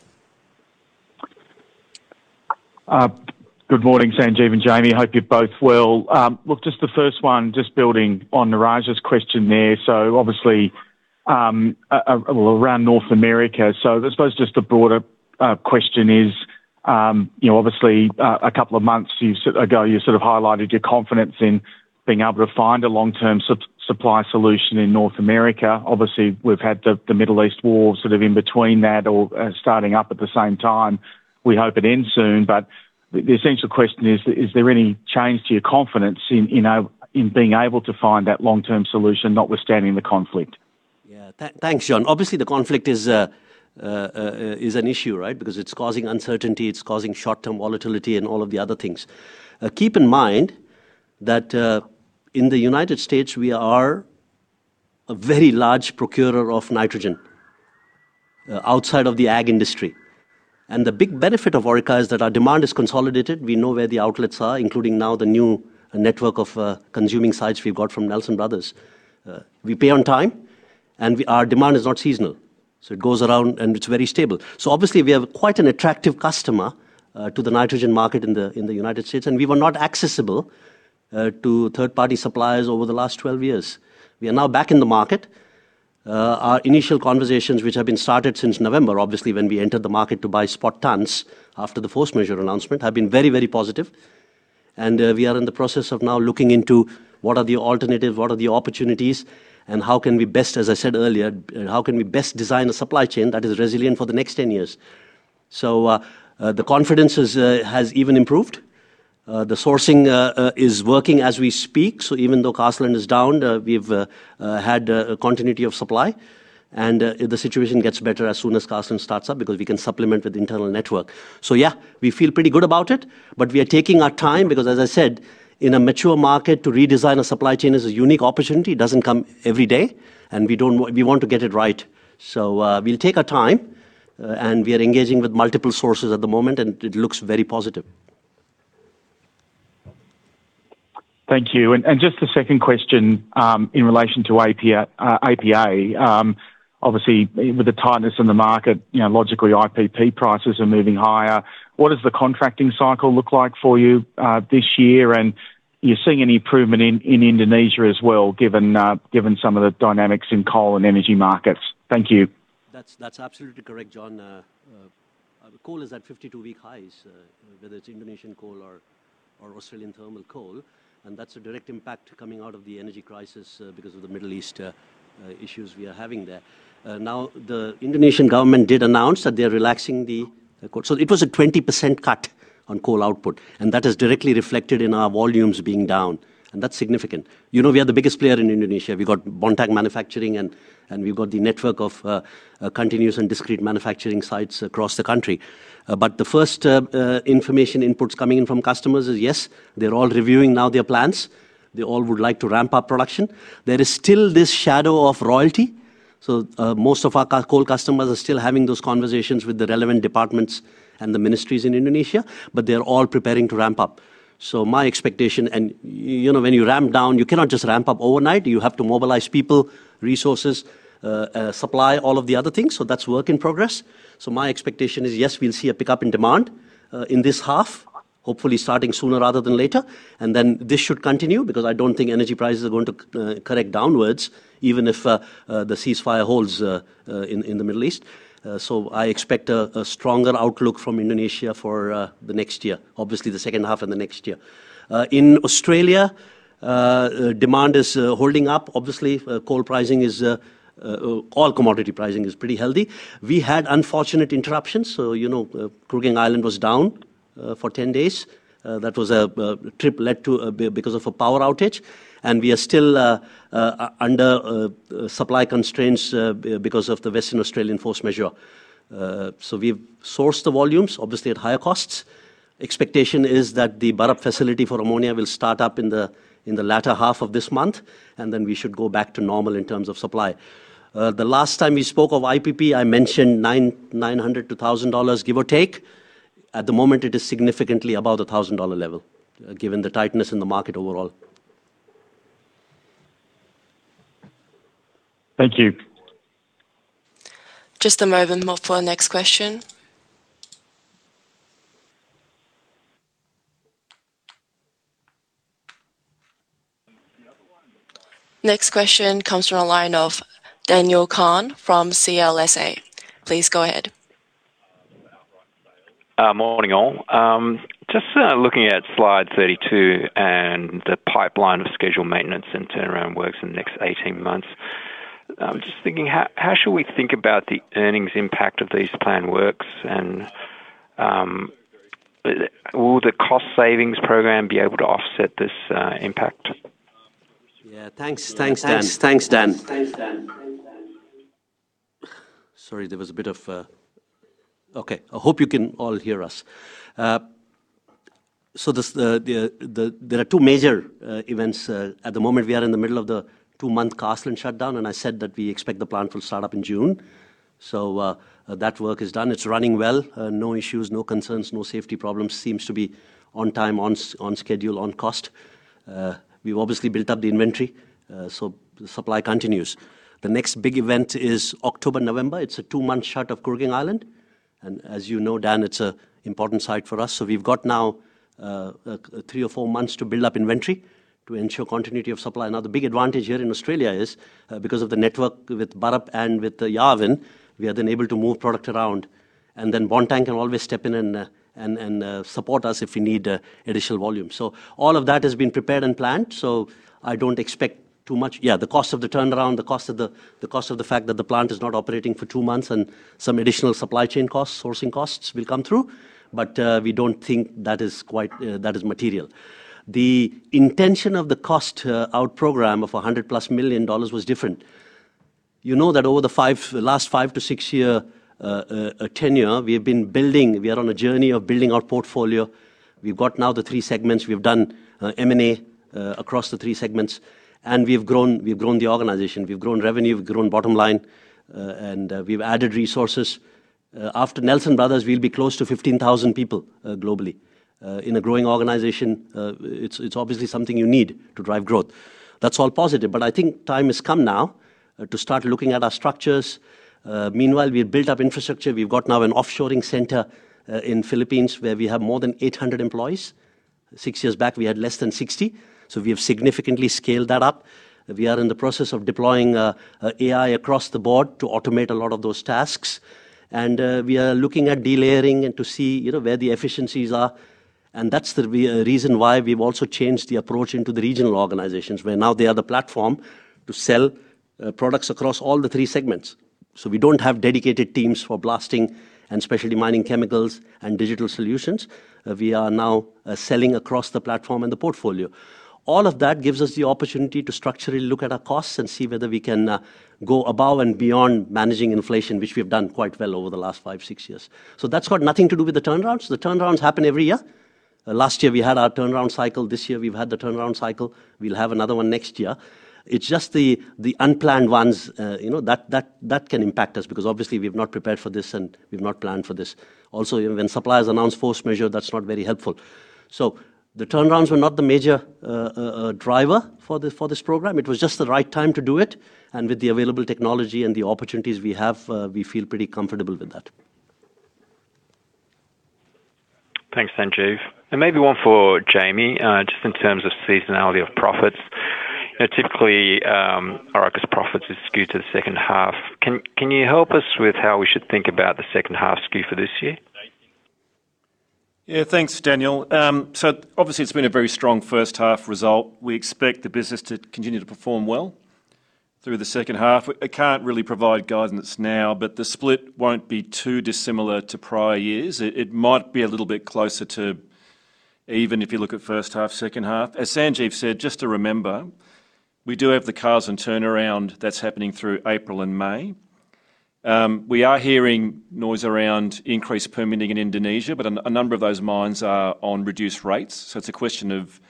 Good morning, Sanjeev and James Crough. Hope you're both well. Just the first one, just building on Niraj's question there. Obviously, around North America. I suppose just a broader question is, you know, obviously, a couple of months ago, you sort of highlighted your confidence in being able to find a long-term supply solution in North America. Obviously, we've had the Middle East war sort of in between that or starting up at the same time. We hope it ends soon. The essential question is there any change to your confidence in being able to find that long-term solution, notwithstanding the conflict? Thanks, John. Obviously, the conflict is an issue, right? It's causing uncertainty, it's causing short-term volatility and all of the other things. Keep in mind that in the U.S., we are a very large procurer of nitrogen outside of the ag industry. The big benefit of Orica is that our demand is consolidated. We know where the outlets are, including now the new network of consuming sites we've got from Nelson Brothers. We pay on time, and we our demand is not seasonal, so it goes around and it's very stable. Obviously, we have quite an attractive customer to the nitrogen market in the U.S., and we were not accessible to third-party suppliers over the last 12 years. We are now back in the market. Our initial conversations, which have been started since November, obviously, when we entered the market to buy spot tons after the force majeure announcement, have been very, very positive. We are in the process of now looking into what are the alternative, what are the opportunities, and how can we best, as I said earlier, how can we best design a supply chain that is resilient for the next 10 years? The confidence is has even improved. The sourcing is working as we speak. Even though Carseland is down, we've had continuity of supply, and the situation gets better as soon as Carseland starts up because we can supplement with internal network. Yeah, we feel pretty good about it, but we are taking our time because, as I said, in a mature market to redesign a supply chain is a unique opportunity. It doesn't come every day, and we don't want to get it right. We'll take our time, and we are engaging with multiple sources at the moment, and it looks very positive. Thank you. Just a second question in relation to APA. Obviously, with the tightness in the market, you know, logically, IPP prices are moving higher. What does the contracting cycle look like for you this year? You're seeing any improvement in Indonesia as well, given some of the dynamics in coal and energy markets? Thank you. That's absolutely correct, John. Coal is at 52 week highs, whether it's Indonesian coal or Australian thermal coal, and that's a direct impact coming out of the energy crisis, because of the Middle East issues we are having there. The Indonesian government did announce that they're relaxing the coal. It was a 20% cut on coal output, and that is directly reflected in our volumes being down, and that's significant. You know, we are the biggest player in Indonesia. We've got Botany manufacturing and we've got the network of continuous and discrete manufacturing sites across the country. The first information inputs coming in from customers is, yes, they're all reviewing now their plans. They all would like to ramp up production. There is still this shadow of royalty. Most of our coal customers are still having those conversations with the relevant departments and the ministries in Indonesia, but they're all preparing to ramp up. My expectation you know, when you ramp down, you cannot just ramp up overnight. You have to mobilize people, resources, supply, all of the other things. That's work in progress. My expectation is, yes, we'll see a pickup in demand in this half, hopefully starting sooner rather than later. This should continue because I don't think energy prices are going to correct downwards, even if the ceasefire holds in the Middle East. I expect a stronger outlook from Indonesia for the next year, obviously the second half and the next year. In Australia, demand is holding up. Obviously, coal pricing is, all commodity pricing is pretty healthy. We had unfortunate interruptions. You know, Kooragang Island was down for 10 days. That was a trip led to because of a power outage. We are still under supply constraints because of the Western Australian force majeure. We've sourced the volumes, obviously at higher costs. Expectation is that the Burrup facility for ammonia will start up in the latter half of this month, and then we should go back to normal in terms of supply. The last time we spoke of IPP, I mentioned 900 to 1,000 dollars, give or take. At the moment, it is significantly above the 1,000 dollar level given the tightness in the market overall. Thank you. Just a moment for our next question. Next question comes from a line of Daniel Kang from CLSA. Please go ahead. Morning, all. Just looking at slide 32 and the pipeline of scheduled maintenance and turnaround works in the next 18 months. Just thinking, how should we think about the earnings impact of these planned works? Will the cost savings program be able to offset this impact? Yeah. Thanks, Dan. Sorry, there was a bit of Okay, I hope you can all hear us. This, there are two major events. At the moment, we are in the middle of the two month Carseland shutdown, and I said that we expect the plant will start up in June. That work is done. It's running well. No issues, no concerns, no safety problems. Seems to be on time, on schedule, on cost. We've obviously built up the inventory, so the supply continues. The next big event is October, November. It's a two month shut of Kooragang Island. As you know, Dan, it's an important site for us. We've got now three or four months to build up inventory to ensure continuity of supply. The big advantage here in Australia is because of the network with Burrup and with Yarwun, we are then able to move product around, and Botany can always step in and support us if we need additional volume. All of that has been prepared and planned. I don't expect too much. The cost of the turnaround, the cost of the fact that the plant is not operating for two months and some additional supply chain costs, sourcing costs will come through, but we don't think that is quite that is material. The intention of the cost out program of 100 million dollars plus was different. You know that over the last five to six year tenure, we have been building. We are on a journey of building our portfolio. We've got now the three segments. We've done M&A across the 3 segments, and we've grown the organization. We've grown revenue, we've grown bottom line, and we've added resources. After Nelson Brothers, we'll be close to 15,000 people globally. In a growing organization, it's obviously something you need to drive growth. That's all positive. I think time has come now to start looking at our structures. Meanwhile, we have built up infrastructure. We've got now an offshoring center in Philippines where we have more than 800 employees. Six years back, we had less than 60. We have significantly scaled that up. We are in the process of deploying AI across the board to automate a lot of those tasks. We are looking at delayering and to see, you know, where the efficiencies are. That's the reason why we've also changed the approach into the regional organizations, where now they are the platform to sell products across all the three segments. We don't have dedicated teams for blasting and Specialty Mining Chemicals and Digital Solutions. We are now selling across the platform and the portfolio. All of that gives us the opportunity to structurally look at our costs and see whether we can go above and beyond managing inflation, which we've done quite well over the last five, six years. That's got nothing to do with the turnarounds. The turnarounds happen every year. Last year, we had our turnaround cycle. This year, we've had the turnaround cycle. We'll have another one next year. It's just the unplanned ones, you know, that can impact us because obviously we've not prepared for this and we've not planned for this. When suppliers announce force majeure, that's not very helpful. The turnarounds were not the major driver for this program. It was just the right time to do it. With the available technology and the opportunities we have, we feel pretty comfortable with that. Thanks, Sanjeev. Maybe one for James, just in terms of seasonality of profits. Typically, Orica's profits is skewed to the second half. Can you help us with how we should think about the second half skew for this year? Yeah, thanks, Daniel. Obviously it's been a very strong first half result. We expect the business to continue to perform well through the second half. I can't really provide guidance now, but the split won't be too dissimilar to prior years. It might be a little bit closer to even if you look at first half, second half. As Sanjeev Gandhi said, just to remember, we do have the Carseland turnaround that's happening through April and May. We are hearing noise around increased permitting in Indonesia, but a number of those mines are on reduced rates. It's a question of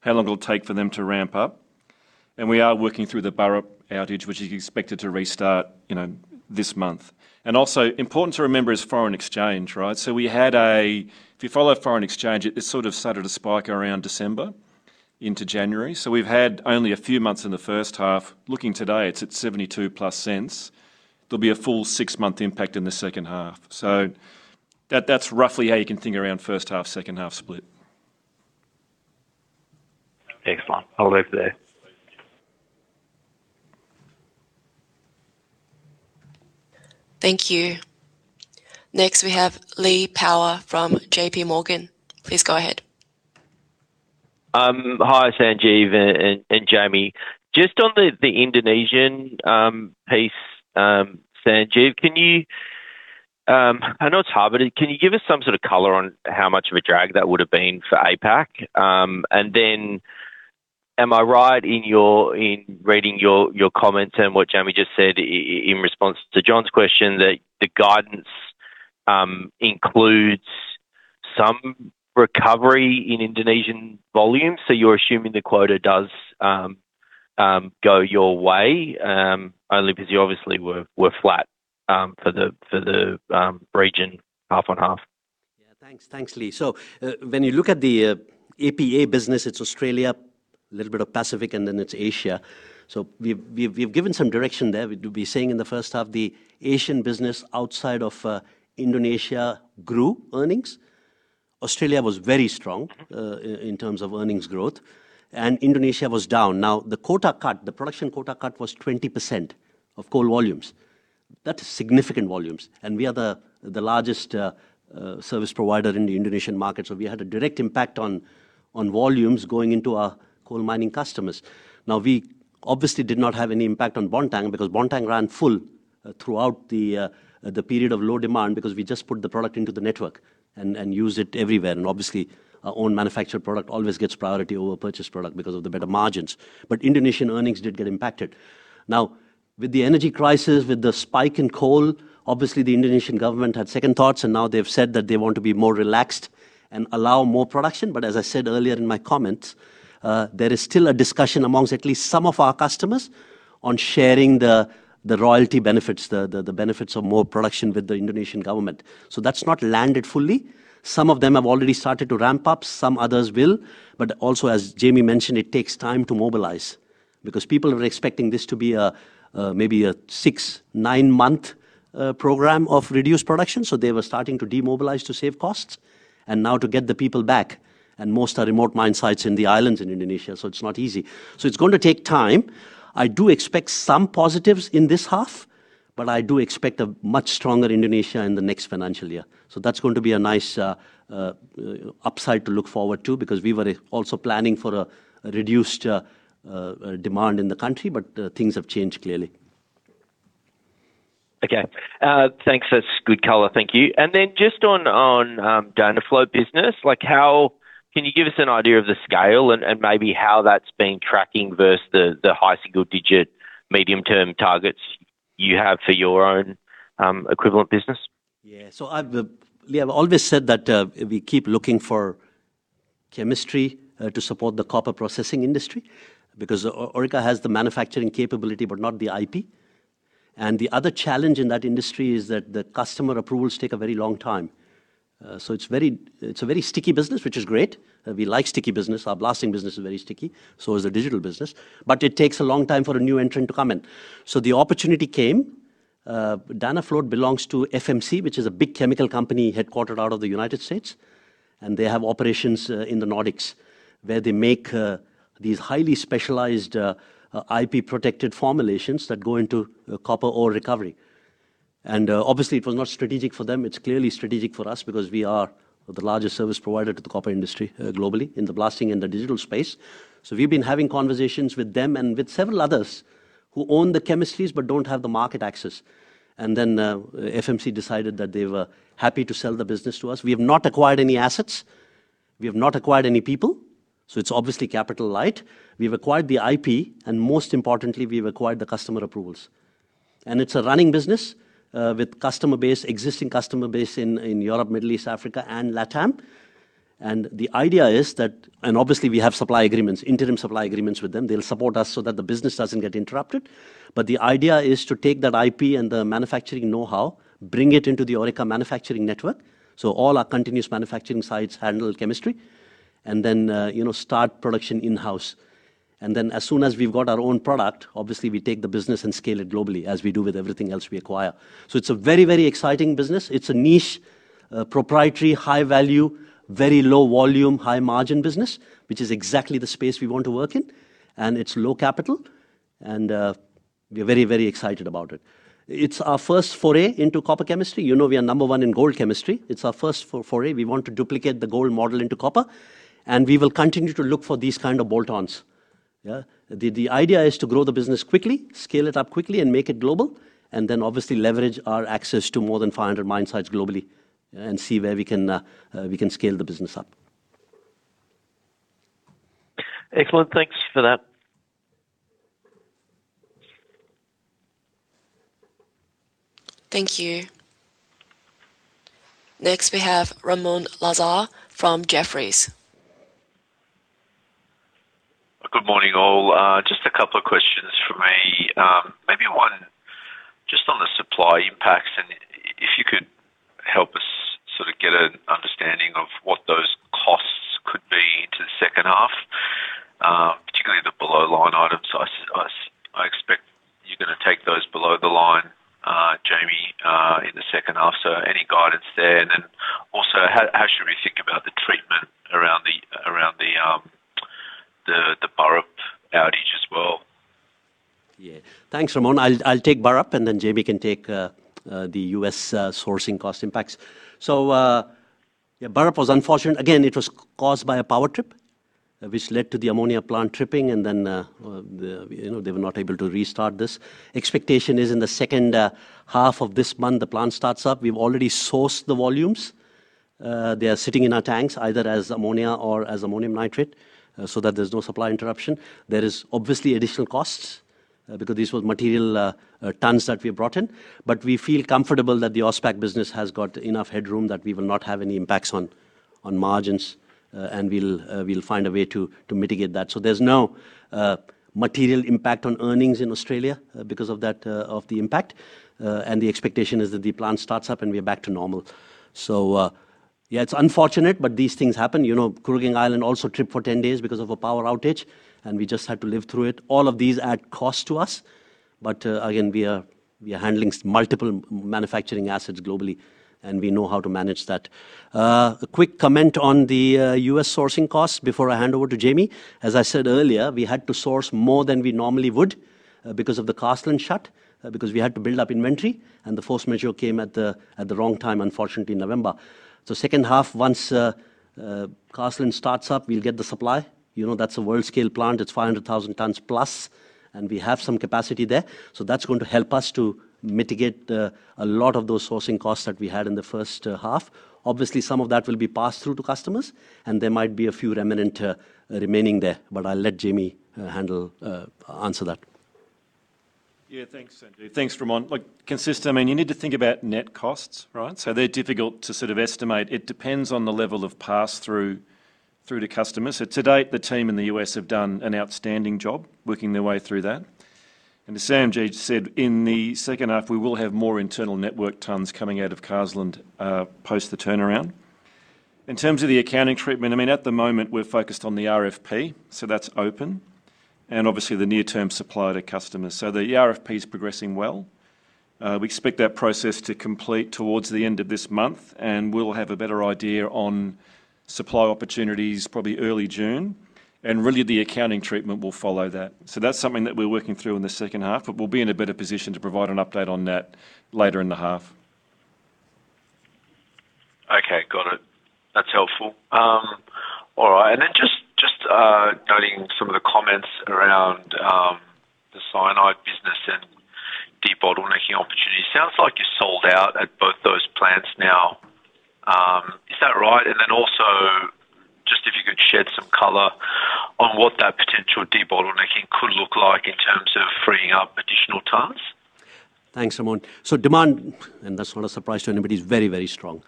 how long it'll take for them to ramp up. We are working through the Burrup outage, which is expected to restart, you know, this month. Also important to remember is foreign exchange, right? If you follow foreign exchange, it sort of started to spike around December into January. We've had only a few months in the first half. Looking today, it's at 0.72+. There'll be a full six-month impact in the second half. That's roughly how you can think around first half, second half split. Excellent. I'll leave it there. Thank you. Next, we have Lee Power from JPMorgan. Please go ahead. Hi, Sanjeev and James. Just on the Indonesian piece, Sanjeev, can you, I know it's hard, but can you give us some sort of color on how much of a drag that would have been for APAC? Then am I right in reading your comments and what James just said in response to John's question that the guidance includes some recovery in Indonesian volume? You're assuming the quota does go your way only because you obviously were flat for the region half on half. Yeah. Thanks. Thanks, Lee. When you look at the APA business, it's Australia, a little bit of Pacific, and then it's Asia. We've given some direction there. We'd be saying in the first half, the Asian business outside of Indonesia grew earnings. Australia was very strong in terms of earnings growth, and Indonesia was down. The quota cut, the production quota cut was 20% of coal volumes. That is significant volumes. We are the largest service provider in the Indonesian market. We had a direct impact on volumes going into our coal mining customers. We obviously did not have any impact on Botany because Botany ran full throughout the period of low demand because we just put the product into the network and used it everywhere. Obviously, our own manufactured product always gets priority over a purchased product because of the better margins. Indonesian earnings did get impacted. With the energy crisis, with the spike in coal, obviously the Indonesian government had second thoughts, and now they've said that they want to be more relaxed and allow more production. As I said earlier in my comments, there is still a discussion amongst at least some of our customers on sharing the royalty benefits, the benefits of more production with the Indonesian government. That's not landed fully. Some of them have already started to ramp up, some others will. Also, as James mentioned, it takes time to mobilize because people are expecting this to be a, maybe a six to nine month program of reduced production. They were starting to demobilize to save costs and now to get the people back. Most are remote mine sites in the islands in Indonesia, it's not easy. It's going to take time. I do expect some positives in this half, I do expect a much stronger Indonesia in the next financial year. That's going to be a nice upside to look forward to because we were also planning for a reduced demand in the country, things have changed clearly. Okay. Thanks. That's good color. Thank you. Then just on Danafloat business, can you give us an idea of the scale and maybe how that's been tracking versus the high single digit medium-term targets you have for your own equivalent business? Yeah. I've, we have always said that, we keep looking for chemistry, to support the copper processing industry because Orica has the manufacturing capability but not the IP. The other challenge in that industry is that the customer approvals take a very long time. It's a very sticky business, which is great. We like sticky business. Our Blasting Solutions business is very sticky, is the Digital Solutions business. It takes a long time for a new entrant to come in. The opportunity came. Danafloat belongs to FMC, which is a big chemical company headquartered out of the U.S., and they have operations in the Nordics, where they make these highly specialized, IP-protected formulations that go into copper ore recovery. Obviously it was not strategic for them. It's clearly strategic for us because we are the largest service provider to the copper industry, globally in the blasting and the Digital Solutions space. We've been having conversations with them and with several others who own the chemistries but don't have the market access. FMC Corporation decided that they were happy to sell the business to us. We have not acquired any assets. We have not acquired any people. It's obviously capital light. We've acquired the IP, and most importantly, we've acquired the customer approvals. It's a running business, with existing customer base in Europe, Middle East, Africa, and LATAM. The idea is that, obviously, we have supply agreements, interim supply agreements with them. They'll support us so that the business doesn't get interrupted. The idea is to take that IP and the manufacturing know-how, bring it into the Orica manufacturing network. All our continuous manufacturing sites handle chemistry and then, you know, start production in-house. As soon as we've got our own product, obviously we take the business and scale it globally, as we do with everything else we acquire. It's a very, very exciting business. It's a niche, proprietary, high value, very low volume, high margin business, which is exactly the space we want to work in, and it's low capital, and we're very, very excited about it. It's our first foray into copper chemistry. You know, we are number one in gold chemistry. It's our first foray. We want to duplicate the gold model into copper, and we will continue to look for these kind of bolt-ons. Yeah. The idea is to grow the business quickly, scale it up quickly, and make it global, and then obviously leverage our access to more than 500 mine sites globally, and see where we can, we can scale the business up. Excellent. Thanks for that. Thank you. Next, we have Ramoun Lazar from Jefferies. Good morning, all. Just a couple of questions from me. Maybe one just on the supply impacts and if you could help us sort of get an understanding of what those costs could be into the second half, particularly the below line items. I expect you're gonna take those below the line, James, in the second half. Any guidance there. Also, how should we think about the treatment around the Burrup outage as well? Yeah. Thanks, Ramoun. I'll take Burrup, and then James can take the U.S. sourcing cost impacts. Yeah, Burrup was unfortunate. Again, it was caused by a power trip, which led to the ammonia plant tripping and then the, you know, they were not able to restart this. Expectation is in the second half of this month, the plant starts up. We've already sourced the volumes. They are sitting in our tanks either as ammonia or as ammonium nitrate, so that there's no supply interruption. There is obviously additional costs because this was material tons that we brought in. We feel comfortable that the AusPac business has got enough headroom that we will not have any impacts on margins, and we'll find a way to mitigate that. There's no material impact on earnings in Australia because of that, of the impact. The expectation is that the plant starts up and we are back to normal. Yeah, it's unfortunate, but these things happen. You know, Kooragang Island also tripped for 10 days because of a power outage, and we just had to live through it. All of these add cost to us. Again, we are handling multiple manufacturing assets globally, and we know how to manage that. A quick comment on the U.S. sourcing costs before I hand over to James. As I said earlier, we had to source more than we normally would because of the Carseland shut, because we had to build up inventory, and the force majeure came at the wrong time, unfortunately, in November. Second half, once Carseland starts up, we'll get the supply. You know, that's a world-scale plant. It's 500,000 tons plus, and we have some capacity there. That's going to help us to mitigate a lot of those sourcing costs that we had in the first half. Obviously, some of that will be passed through to customers, and there might be a few remnant remaining there. I'll let James handle answer that. Yeah, thanks, Sanjeev. Thanks, Ramoun. Like, consistent, I mean, you need to think about net costs, right? They're difficult to sort of estimate. It depends on the level of pass through to customers. To date, the team in the U.S. have done an outstanding job working their way through that. As Sanjeev said, in the second half, we will have more internal network tons coming out of Carseland post the turnaround. In terms of the accounting treatment, I mean, at the moment we're focused on the RFP, so that's open, and obviously the near term supply to customers. The RFP is progressing well. We expect that process to complete towards the end of this month, and we'll have a better idea on supply opportunities probably early June. Really, the accounting treatment will follow that. That's something that we're working through in the second half, but we'll be in a better position to provide an update on that later in the half. Around the cyanide business and debottlenecking opportunity, sounds like you sold out at both those plants now. Is that right? Also just if you could shed some color on what that potential debottlenecking could look like in terms of freeing up additional tons. Thanks, Ramoun. Demand, and that's not a surprise to anybody, is very, very strong.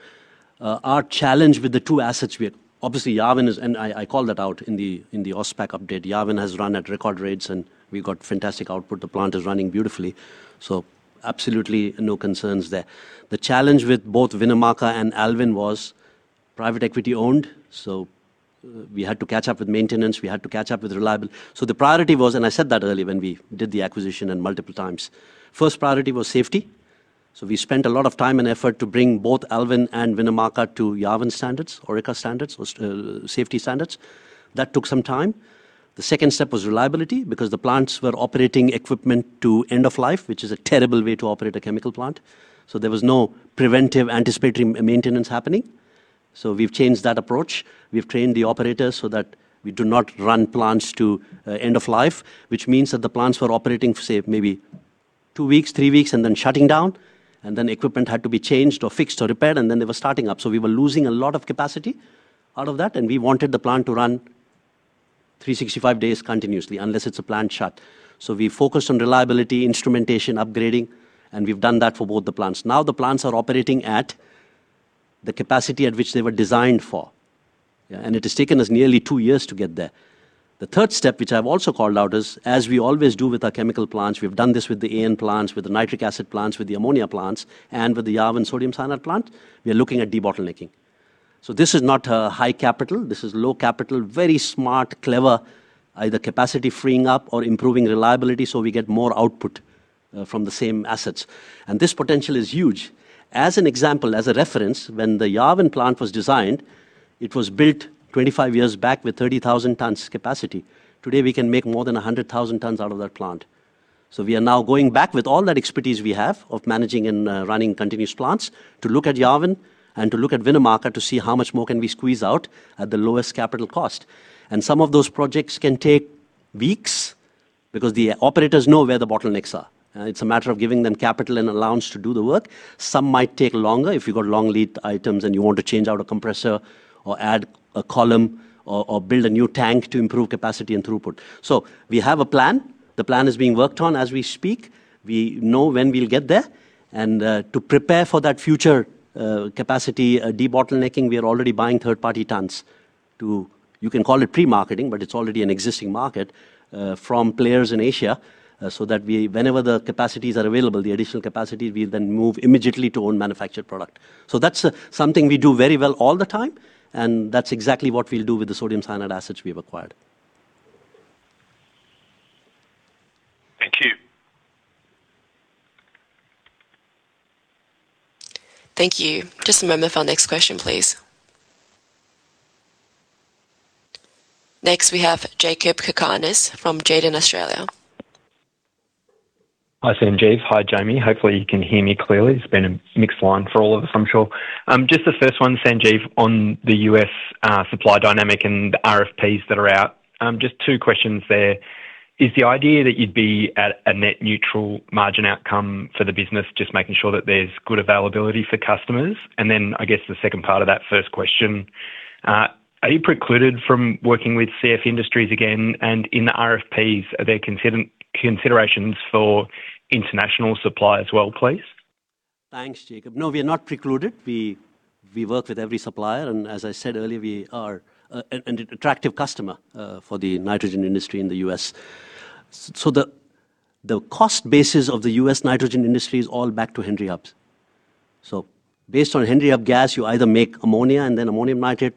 Our challenge with the two assets we had. Obviously, Yarwun is, I called that out in the AUSPAC update. Yarwun has run at record rates, and we've got fantastic output. The plant is running beautifully. Absolutely no concerns there. The challenge with both Winnemucca and Alvin was private equity owned, so we had to catch up with maintenance, we had to catch up with reliable. The priority was, and I said that earlier when we did the acquisition and multiple times. First priority was safety. We spent a lot of time and effort to bring both Alvin and Winnemucca to Yarwun standards, Orica standards, or safety standards. That took some time. The second step was reliability because the plants were operating equipment to end of life, which is a terrible way to operate a chemical plant. There was no preventive anticipatory maintenance happening. We've changed that approach. We've trained the operators so that we do not run plants to end of life, which means that the plants were operating for, say, maybe two weeks, three weeks, and then shutting down. Then equipment had to be changed or fixed or repaired, and then they were starting up. We were losing a lot of capacity out of that, and we wanted the plant to run 365 days continuously unless it's a planned shut. We focused on reliability, instrumentation, upgrading, and we've done that for both the plants. Now the plants are operating at the capacity at which they were designed for. It has taken us nearly two years to get there. The third step, which I've also called out, is as we always do with our chemical plants, we've done this with the AN plants, with the nitric acid plants, with the ammonia plants, and with the Yarwun sodium cyanide plant, we are looking at debottlenecking. This is not a high capital. This is low capital. Very smart, clever, either capacity freeing up or improving reliability so we get more output from the same assets. This potential is huge. As an example, as a reference, when the Yarwun plant was designed, it was built 25 years back with 30,000 tons capacity. Today, we can make more than 100,000 tons out of that plant. We are now going back with all that expertise we have of managing and running continuous plants to look at Yarwun and to look at Winnemucca to see how much more can we squeeze out at the lowest capital cost. Some of those projects can take weeks because the operators know where the bottlenecks are. It's a matter of giving them capital and allowance to do the work. Some might take longer if you've got long lead items and you want to change out a compressor or add a column or build a new tank to improve capacity and throughput. We have a plan. The plan is being worked on as we speak. We know when we'll get there. To prepare for that future capacity debottlenecking, we are already buying third-party tons to, you can call it pre-marketing, but it's already an existing market, from players in Asia, so that whenever the capacities are available, the additional capacity, we then move immediately to own manufactured product. That's something we do very well all the time, and that's exactly what we'll do with the sodium cyanide assets we've acquired. Thank you. Thank you. Just a moment for our next question, please. Next, we have Jakob Cakarnis from Jarden Australia. Hi, Sanjeev. Hi, James. Hopefully, you can hear me clearly. It's been a mixed line for all of us, I'm sure. Just the first one, Sanjeev, on the U.S. supply dynamic and the RFPs that are out. Just two questions there. Is the idea that you'd be at a net neutral margin outcome for the business, just making sure that there's good availability for customers? Then I guess the second part of that first question, are you precluded from working with CF Industries again? In the RFPs, are there considerations for international supply as well, please? Thanks, Jakob. No, we are not precluded. We work with every supplier. As I said earlier, we are an attractive customer for the nitrogen industry in the U.S. The cost basis of the U.S. nitrogen industry is all back to Henry Hub. Based on Henry Hub gas, you either make ammonia and then ammonium nitrate,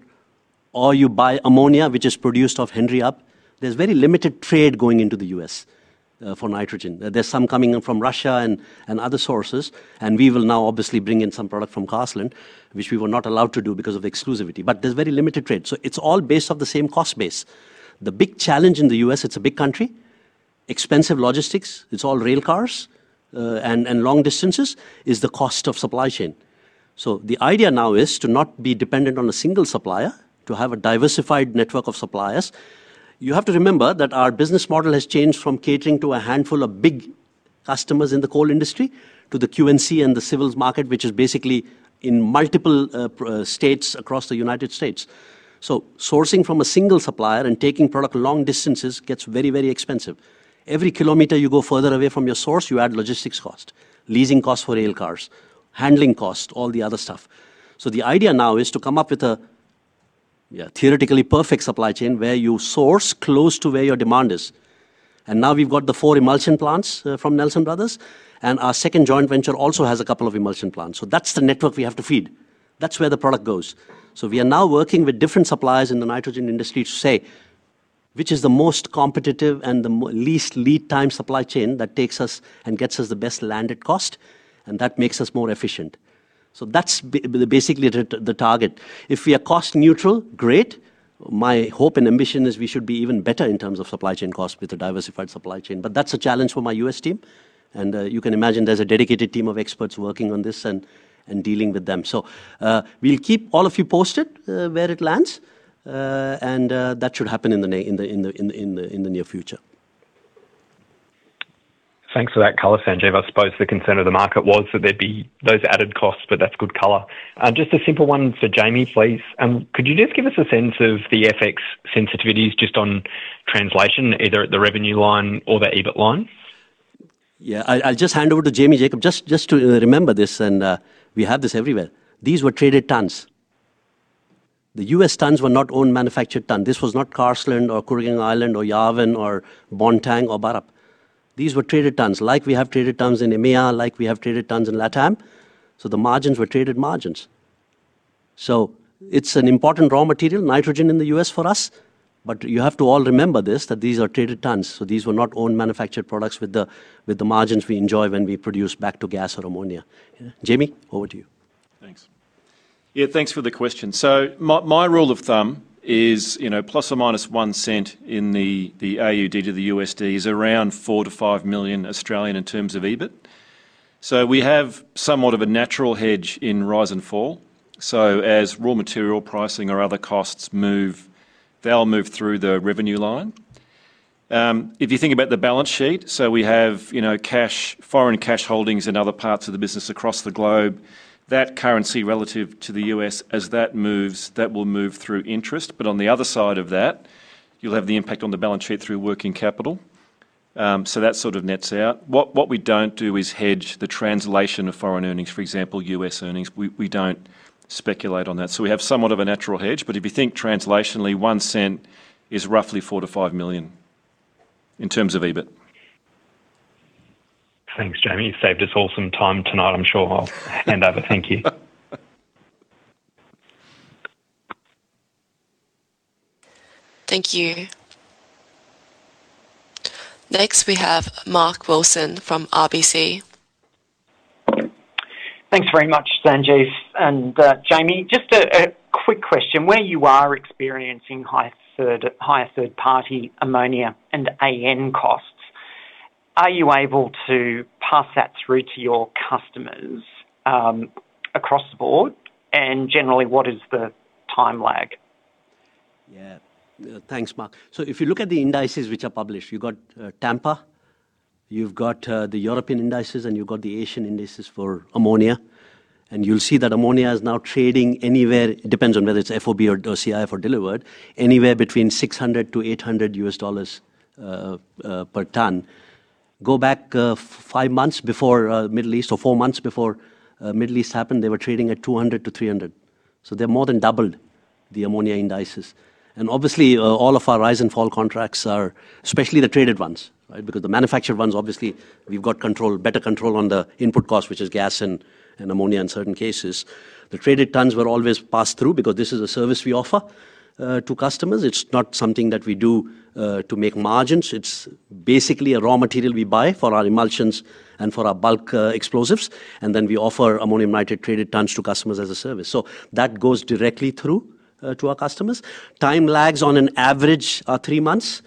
or you buy ammonia, which is produced off Henry Hub. There's very limited trade going into the U.S. for nitrogen. There's some coming in from Russia and other sources. We will now obviously bring in some product from Carseland, which we were not allowed to do because of exclusivity. There's very limited trade, so it's all based off the same cost base. The big challenge in the U.S., it's a big country, expensive logistics, it's all rail cars, and long distances, is the cost of supply chain. The idea now is to not be dependent on a single supplier, to have a diversified network of suppliers. You have to remember that our business model has changed from catering to a handful of big customers in the coal industry to the Q&C and the civils market, which is basically in multiple states across the United States. Sourcing from a single supplier and taking product long distances gets very expensive. Every kilometer you go further away from your source, you add logistics cost, leasing cost for rail cars, handling cost, all the other stuff. The idea now is to come up with a theoretically perfect supply chain where you source close to where your demand is. Now we've got the four emulsion plants from Nelson Brothers, and our second joint venture also has two emulsion plants. That's the network we have to feed. That's where the product goes. We are now working with different suppliers in the nitrogen industry to say which is the most competitive and the least lead time supply chain that takes us and gets us the best landed cost and that makes us more efficient. That's basically the target. If we are cost neutral, great. My hope and ambition is we should be even better in terms of supply chain cost with the diversified supply chain. That's a challenge for my U.S. team. You can imagine there's a dedicated team of experts working on this and dealing with them. We'll keep all of you posted where it lands. That should happen in the near future. Thanks for that color, Sanjeev. I suppose the concern of the market was that there'd be those added costs, but that's good color. Just a simple one for James, please. Could you just give us a sense of the FX sensitivities just on translation, either at the revenue line or the EBIT line? Yeah. I'll just hand over to James, Jakob. Just to remember this and we have this everywhere. These were traded tons. The U.S. tons were not own manufactured ton. This was not Carseland or Kooragang Island or Yarwun or Botany or Burrup. These were traded tons. Like we have traded tons in EMEA, like we have traded tons in LATAM, so the margins were traded margins. It's an important raw material, nitrogen in the U.S. for us, but you have to all remember this, that these are traded tons, so these were not own manufactured products with the margins we enjoy when we produce back to gas or ammonia. James, over to you. Thanks. Yeah, thanks for the question. My rule of thumb is, you know, plus or minus 0.01 in the AUD to the USD is around 4 million-5 million in terms of EBIT. We have somewhat of a natural hedge in rise and fall. As raw material pricing or other costs move, they'll move through the revenue line. If you think about the balance sheet, we have, you know, cash, foreign cash holdings in other parts of the business across the globe. That currency relative to the U.S., as that moves, that will move through interest. On the other side of that, you'll have the impact on the balance sheet through working capital. That sort of nets out. What we don't do is hedge the translation of foreign earnings, for example, U.S. earnings. We don't speculate on that. We have somewhat of a natural hedge, but if you think translationally, 0.01 is roughly 4 million-5 million in terms of EBIT. Thanks, James. You saved us all some time tonight, I'm sure. I'll hand over. Thank you. Thank you. Next, we have Mark Wilson from RBC. Thanks very much, Sanjeev and James. Just a quick question. Where you are experiencing higher third-party ammonia and AN costs, are you able to pass that through to your customers across the board? Generally, what is the time lag? Yeah. Thanks, Mark. If you look at the indices which are published, you got Tampa, you've got the European indices, and you've got the Asian indices for ammonia, and you'll see that ammonia is now trading anywhere, it depends on whether it's FOB or CIF or delivered, anywhere between $600-$800 U.S. dollars per ton. Go back five months before Middle East or four months before Middle East happened, they were trading at $200-$300. They're more than doubled the ammonia indices. Obviously, all of our rise and fall contracts are, especially the traded ones, right? Because the manufactured ones, obviously we've got control, better control on the input cost, which is gas and ammonia in certain cases. The traded tons were always passed through because this is a service we offer to customers. It's not something that we do to make margins. It's basically a raw material we buy for our emulsions and for our bulk explosives, and then we offer ammonium nitrate traded tons to customers as a service. That goes directly through to our customers. Time lags on an average are three months.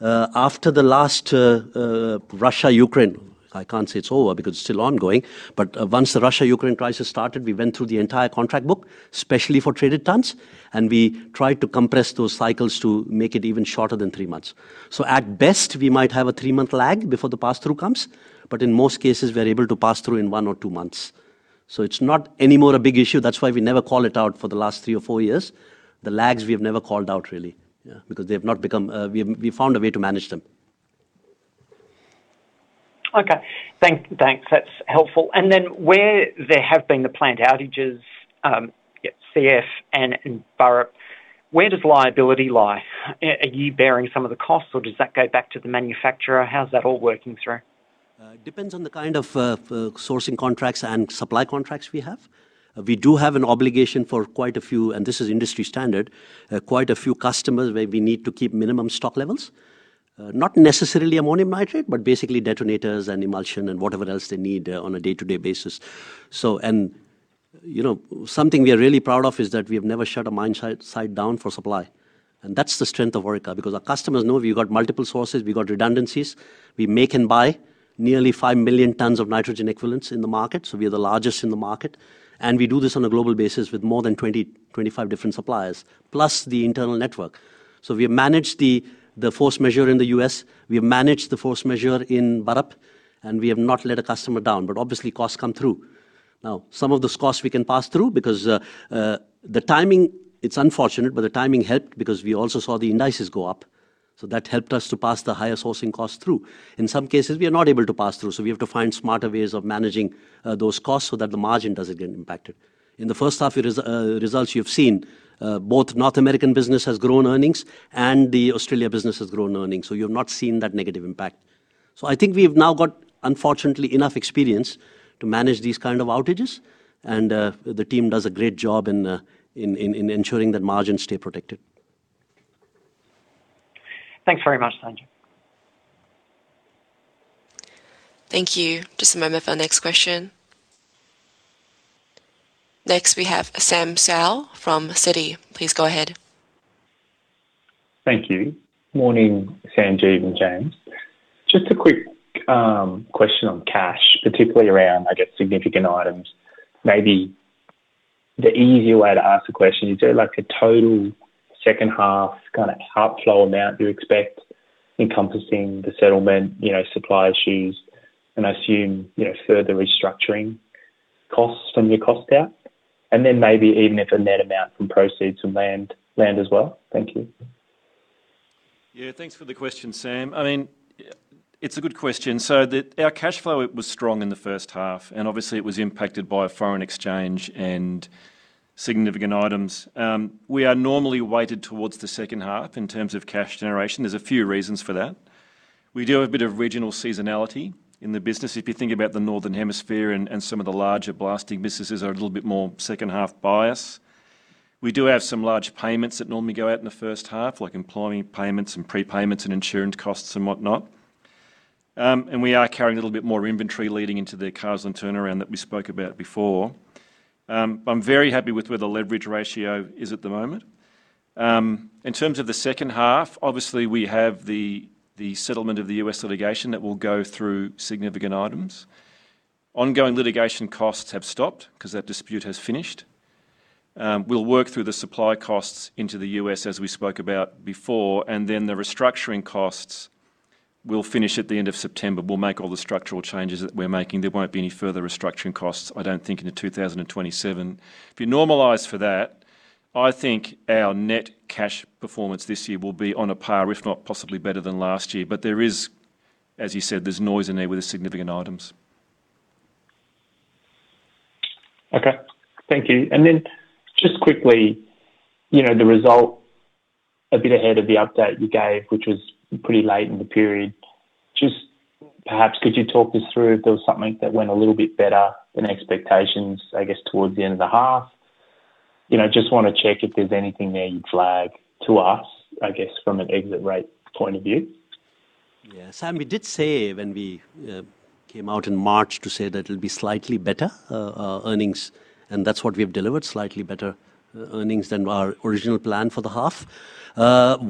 After the last Russia-Ukraine, I can't say it's over because it's still ongoing, once the Russia-Ukraine crisis started, we went through the entire contract book, especially for traded tons, and we tried to compress those cycles to make it even shorter than three months. At best, we might have a three month lag before the pass-through comes, but in most cases we're able to pass through in one or two months. It's not any more a big issue. That's why we never call it out for the last three or four years. The lags we have never called out really, yeah. We found a way to manage them. Okay. Thanks. That's helpful. Where there have been the plant outages, yeah, CF and in Burrup, where does liability lie? Are you bearing some of the costs or does that go back to the manufacturer? How's that all working through? It depends on the kind of sourcing contracts and supply contracts we have. We do have an obligation for quite a few, and this is industry standard, quite a few customers where we need to keep minimum stock levels. Not necessarily ammonium nitrate, but basically detonators and emulsion and whatever else they need on a day-to-day basis. You know, something we are really proud of is that we have never shut a mine site down for supply. That's the strength of Orica because our customers know we've got multiple sources, we've got redundancies. We make and buy nearly five million tons of nitrogen equivalents in the market, so we are the largest in the market. We do this on a global basis with more than 20-25 different suppliers, plus the internal network. We have managed the force majeure in the U.S., we have managed the force majeure in Burrup, and we have not let a customer down. Obviously costs come through. Some of those costs we can pass through because the timing, it's unfortunate, but the timing helped because we also saw the indices go up, so that helped us to pass the higher sourcing costs through. In some cases, we are not able to pass through, so we have to find smarter ways of managing those costs so that the margin doesn't get impacted. In the first half year results you've seen, both North American business has grown earnings and the Australia business has grown earnings, so you've not seen that negative impact. I think we've now got, unfortunately, enough experience to manage these kind of outages and the team does a great job in ensuring that margins stay protected. Thanks very much, Sanjeev Gandhi. Thank you. Just a moment for our next question. Next, we have Samuel Seow from Citi. Please go ahead. Thank you. morning, Sanjeev and James. Just a quick question on cash, particularly around, I guess, significant items. The easier way to ask the question, is there like a total second half kinda cash flow amount you expect encompassing the settlement, you know, supply issues and I assume, you know, further restructuring costs from your cost out? Then maybe even if a net amount from proceeds from land as well. Thank you. Yeah, thanks for the question, Samuel. I mean, it's a good question. Our cash flow was strong in the first half, and obviously it was impacted by foreign exchange and significant items. We are normally weighted towards the second half in terms of cash generation. There's a few reasons for that. We do have a bit of regional seasonality in the business. If you think about the northern hemisphere and some of the larger blasting businesses are a little bit more second half biased. We do have some large payments that normally go out in the first half, like employee payments and prepayments and insurance costs and whatnot. We are carrying a little bit more inventory leading into the Carseland turnaround that we spoke about before. I'm very happy with where the leverage ratio is at the moment. In terms of the second half, obviously we have the settlement of the U.S. litigation that will go through significant items. Ongoing litigation costs have stopped 'cause that dispute has finished. We'll work through the supply costs into the U.S. as we spoke about before, and then the restructuring costs will finish at the end of September. We'll make all the structural changes that we're making. There won't be any further restructuring costs, I don't think, into 2027. If you normalize for that, I think our net cash performance this year will be on a par, if not possibly better than last year. There is, as you said, there's noise in there with the significant items. Okay. Thank you. Then just quickly, you know, the result a bit ahead of the update you gave, which was pretty late in the period. Just perhaps could you talk this through if there was something that went a little bit better than expectations, I guess, towards the end of the half? You know, just wanna check if there's anything there you'd flag to us, I guess, from an exit rate point of view. Sam, we did say when we came out in March to say that it'll be slightly better earnings, that's what we've delivered, slightly better earnings than our original plan for the half.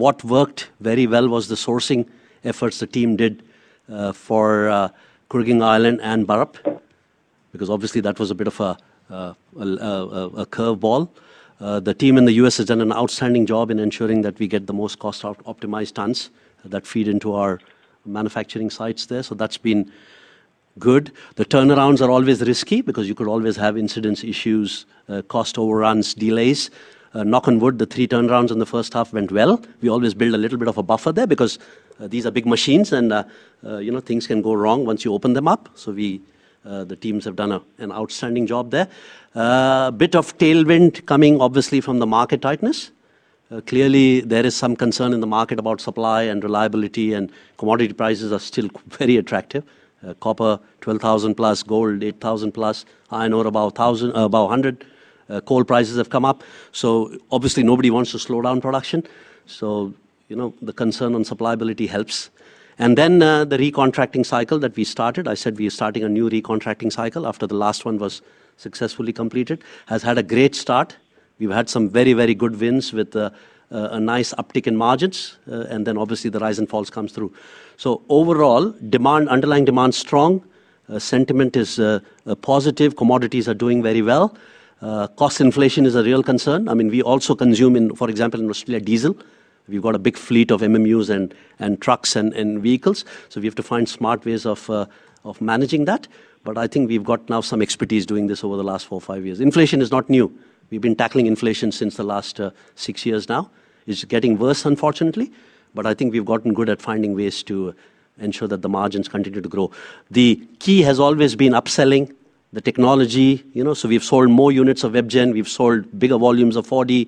What worked very well was the sourcing efforts the team did for Kooragang Island and Burrup, because obviously that was a bit of a curve ball. The team in the U.S. has done an outstanding job in ensuring that we get the most cost opt-optimized tons that feed into our manufacturing sites there. That's been good. The turnarounds are always risky because you could always have incidents, issues, cost overruns, delays. Knock on wood, the three turnarounds in the first half went well. We always build a little bit of a buffer there because, these are big machines and, you know, things can go wrong once you open them up. We, the teams have done an outstanding job there. A bit of tailwind coming obviously from the market tightness. Clearly there is some concern in the market about supply and reliability, and commodity prices are still very attractive. Copper 12,000+, gold 8,000+, iron ore about 100. Coal prices have come up, obviously nobody wants to slow down production. You know, the concern on supply ability helps. Then, the recontracting cycle that we started, I said we are starting a new recontracting cycle after the last one was successfully completed, has had a great start. We've had some very, very good wins with a nice uptick in margins. Obviously the rise and falls comes through. Overall, demand, underlying demand's strong. Sentiment is positive. Commodities are doing very well. Cost inflation is a real concern. I mean, we also consume in, for example, in Australia, diesel. We've got a big fleet of MMUs and trucks and vehicles. We have to find smart ways of managing that. I think we've got now some expertise doing this over the last four or five years. Inflation is not new. We've been tackling inflation since the last six years now. It's getting worse, unfortunately, but I think we've gotten good at finding ways to ensure that the margins continue to grow. The key has always been upselling the technology. You know, we've sold more units of WebGen, we've sold bigger volumes of Fortis,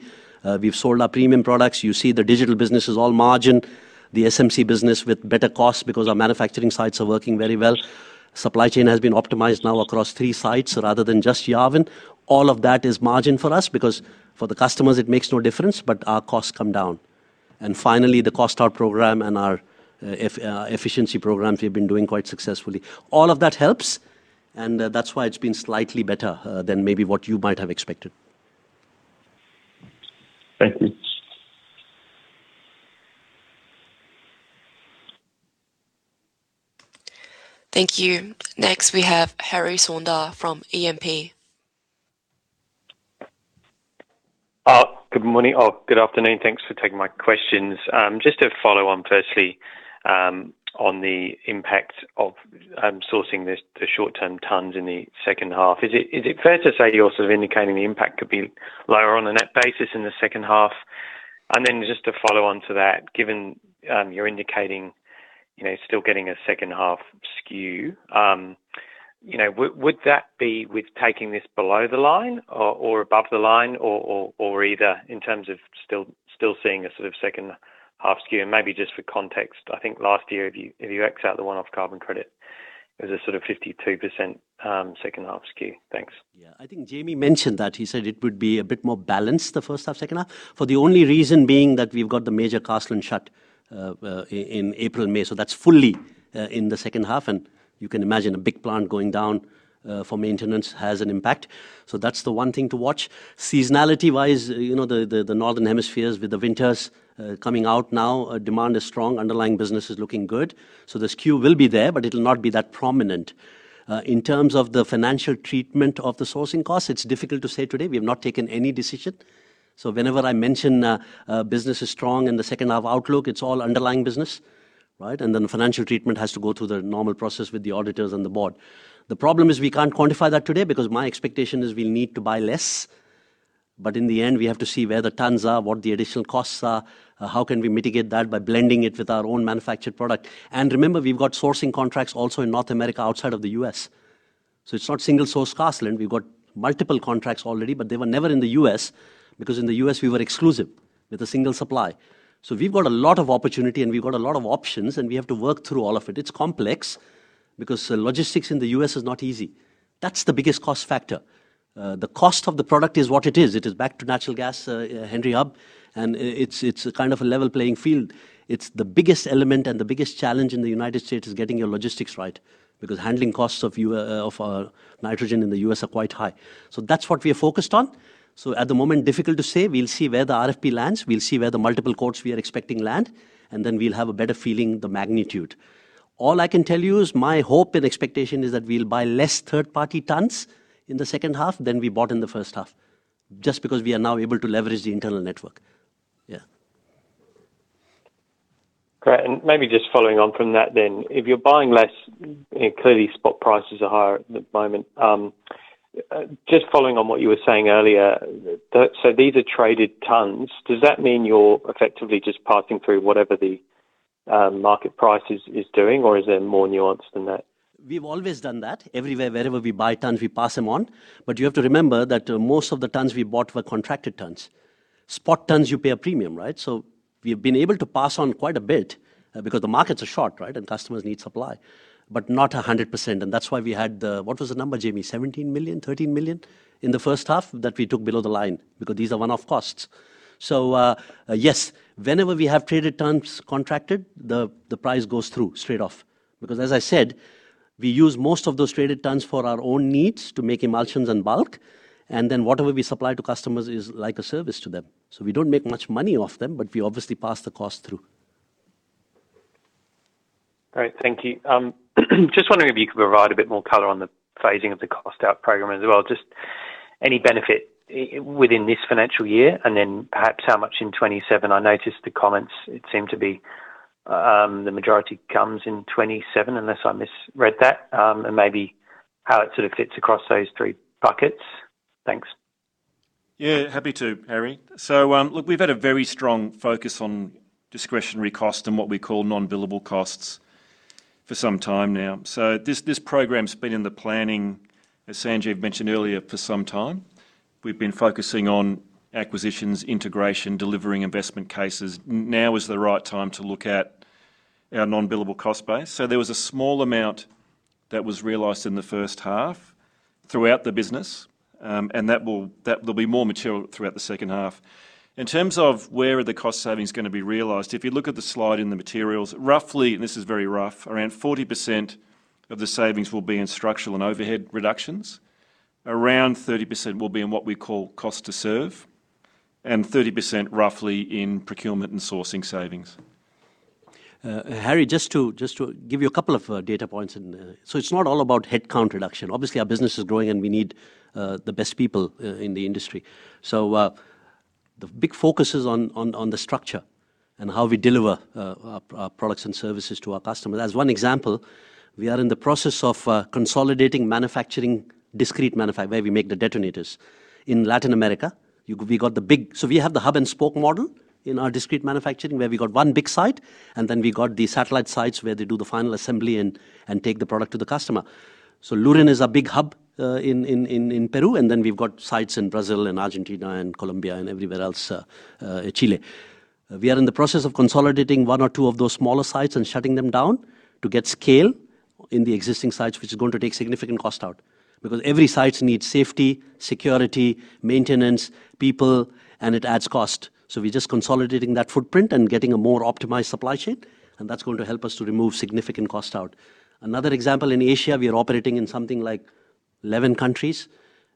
we've sold our premium products. You see the Digital business is all margin. The SMC business with better costs because our manufacturing sites are working very well. Supply chain has been optimized now across three sites rather than just Yarwun. All of that is margin for us because for the customers it makes no difference, our costs come down. Finally, the cost out program and our efficiency programs we've been doing quite successfully. All of that helps, that's why it's been slightly better than maybe what you might have expected. Thank you. Thank you. Next, we have Harry Saunders from E&P. Good morning. Good afternoon. Thanks for taking my questions. Just to follow on firstly, on the impact of sourcing this, the short-term tons in the second half. Is it fair to say you're sort of indicating the impact could be lower on a net basis in the second half? Then just to follow on to that, given, you're indicating, you know, still getting a second half skew, you know, would that be with taking this below the line or above the line or either in terms of still seeing a sort of second half skew? Maybe just for context, I think last year if you x out the one-off carbon credit, it was a sort of 52%, second half skew. Thanks. I think James mentioned that. He said it would be a bit more balanced, the first half, second half. For the only reason being that we've got the major Carseland shut in April and May, so that's fully in the second half. You can imagine a big plant going down for maintenance has an impact. That's the one thing to watch. Seasonality-wise, you know, the northern hemispheres with the winters coming out now, demand is strong, underlying business is looking good. The skew will be there, but it'll not be that prominent. In terms of the financial treatment of the sourcing costs, it's difficult to say today. We have not taken any decision. Whenever I mention business is strong in the second half outlook, it's all underlying business, right? The financial treatment has to go through the normal process with the auditors and the board. The problem is we can't quantify that today because my expectation is we need to buy less. In the end, we have to see where the tons are, what the additional costs are, how can we mitigate that by blending it with our own manufactured product. Remember, we've got sourcing contracts also in North America outside of the U.S. It's not single-source cost, Lynn. We've got multiple contracts already, but they were never in the U.S. because in the U.S. we were exclusive with a single supply. We've got a lot of opportunity, and we've got a lot of options, and we have to work through all of it. It's complex because logistics in the U.S. is not easy. That's the biggest cost factor. The cost of the product is what it is. It is back to natural gas, Henry Hub, it's a kind of a level playing field. It's the biggest element and the biggest challenge in the U.S. is getting your logistics right because handling costs of our nitrogen in the U.S. are quite high. That's what we are focused on. At the moment, difficult to say. We'll see where the RFP lands. We'll see where the multiple quotes we are expecting land, we'll have a better feeling the magnitude. All I can tell you is my hope and expectation is that we'll buy less third-party tons in the second half than we bought in the first half, just because we are now able to leverage the internal network. Yeah. Great. Maybe just following on from that then. If you're buying less, and clearly spot prices are higher at the moment. Just following on what you were saying earlier, so these are traded tons. Does that mean you're effectively just passing through whatever the market price is doing, or is there more nuance than that? We've always done that. Everywhere. Wherever we buy tons, we pass them on. You have to remember that, most of the tons we bought were contracted tons. Spot tons, you pay a premium, right? We've been able to pass on quite a bit, because the markets are short, right, and customers need supply, but not 100%. That's why we had the. What was the number, James? 17 million? 13 million in the first half that we took below the line because these are one-off costs. Yes, whenever we have traded tons contracted, the price goes through straight off because as I said, we use most of those traded tons for our own needs to make emulsions and bulk, and then whatever we supply to customers is like a service to them. We don't make much money off them, but we obviously pass the cost through. Great. Thank you. Just wondering if you could provide a bit more color on the phasing of the cost-out program as well. Just any benefit, within this financial year, and then perhaps how much in 2027? I noticed the comments, it seemed to be, the majority comes in 2027, unless I misread that, and maybe how it sort of fits across those three buckets. Thanks. Yeah, happy to, Harry. Look, we've had a very strong focus on discretionary cost and what we call non-billable costs for some time now. This program's been in the planning, as Sanjeev mentioned earlier, for some time. We've been focusing on acquisitions, integration, delivering investment cases. Now is the right time to look at our non-billable cost base. There was a small amount that was realized in the first half throughout the business, and that will be more material throughout the second half. In terms of where are the cost savings going to be realized, if you look at the slide in the materials, roughly, and this is very rough, around 40% of the savings will be in structural and overhead reductions, around 30% will be in what we call cost to serve, and 30% roughly in procurement and sourcing savings. Harry, just to give you a couple of data points. It's not all about headcount reduction. Obviously, our business is growing and we need the best people in the industry. The big focus is on the structure and how we deliver our products and services to our customers. As one example, we are in the process of consolidating manufacturing, discrete manufacturing where we make the detonators. In Latin America, we have the hub and spoke model in our discrete manufacturing, where we got one big site, and then we got the satellite sites where they do the final assembly and take the product to the customer. Lurin is our big hub in Peru, and then we've got sites in Brazil and Argentina and Colombia and everywhere else, Chile. We are in the process of consolidating one or two of those smaller sites and shutting them down to get scale in the existing sites, which is going to take significant cost out. Because every site needs safety, security, maintenance, people, and it adds cost. We're just consolidating that footprint and getting a more optimized supply chain, and that's going to help us to remove significant cost out. Another example, in Asia, we are operating in something like 11 countries.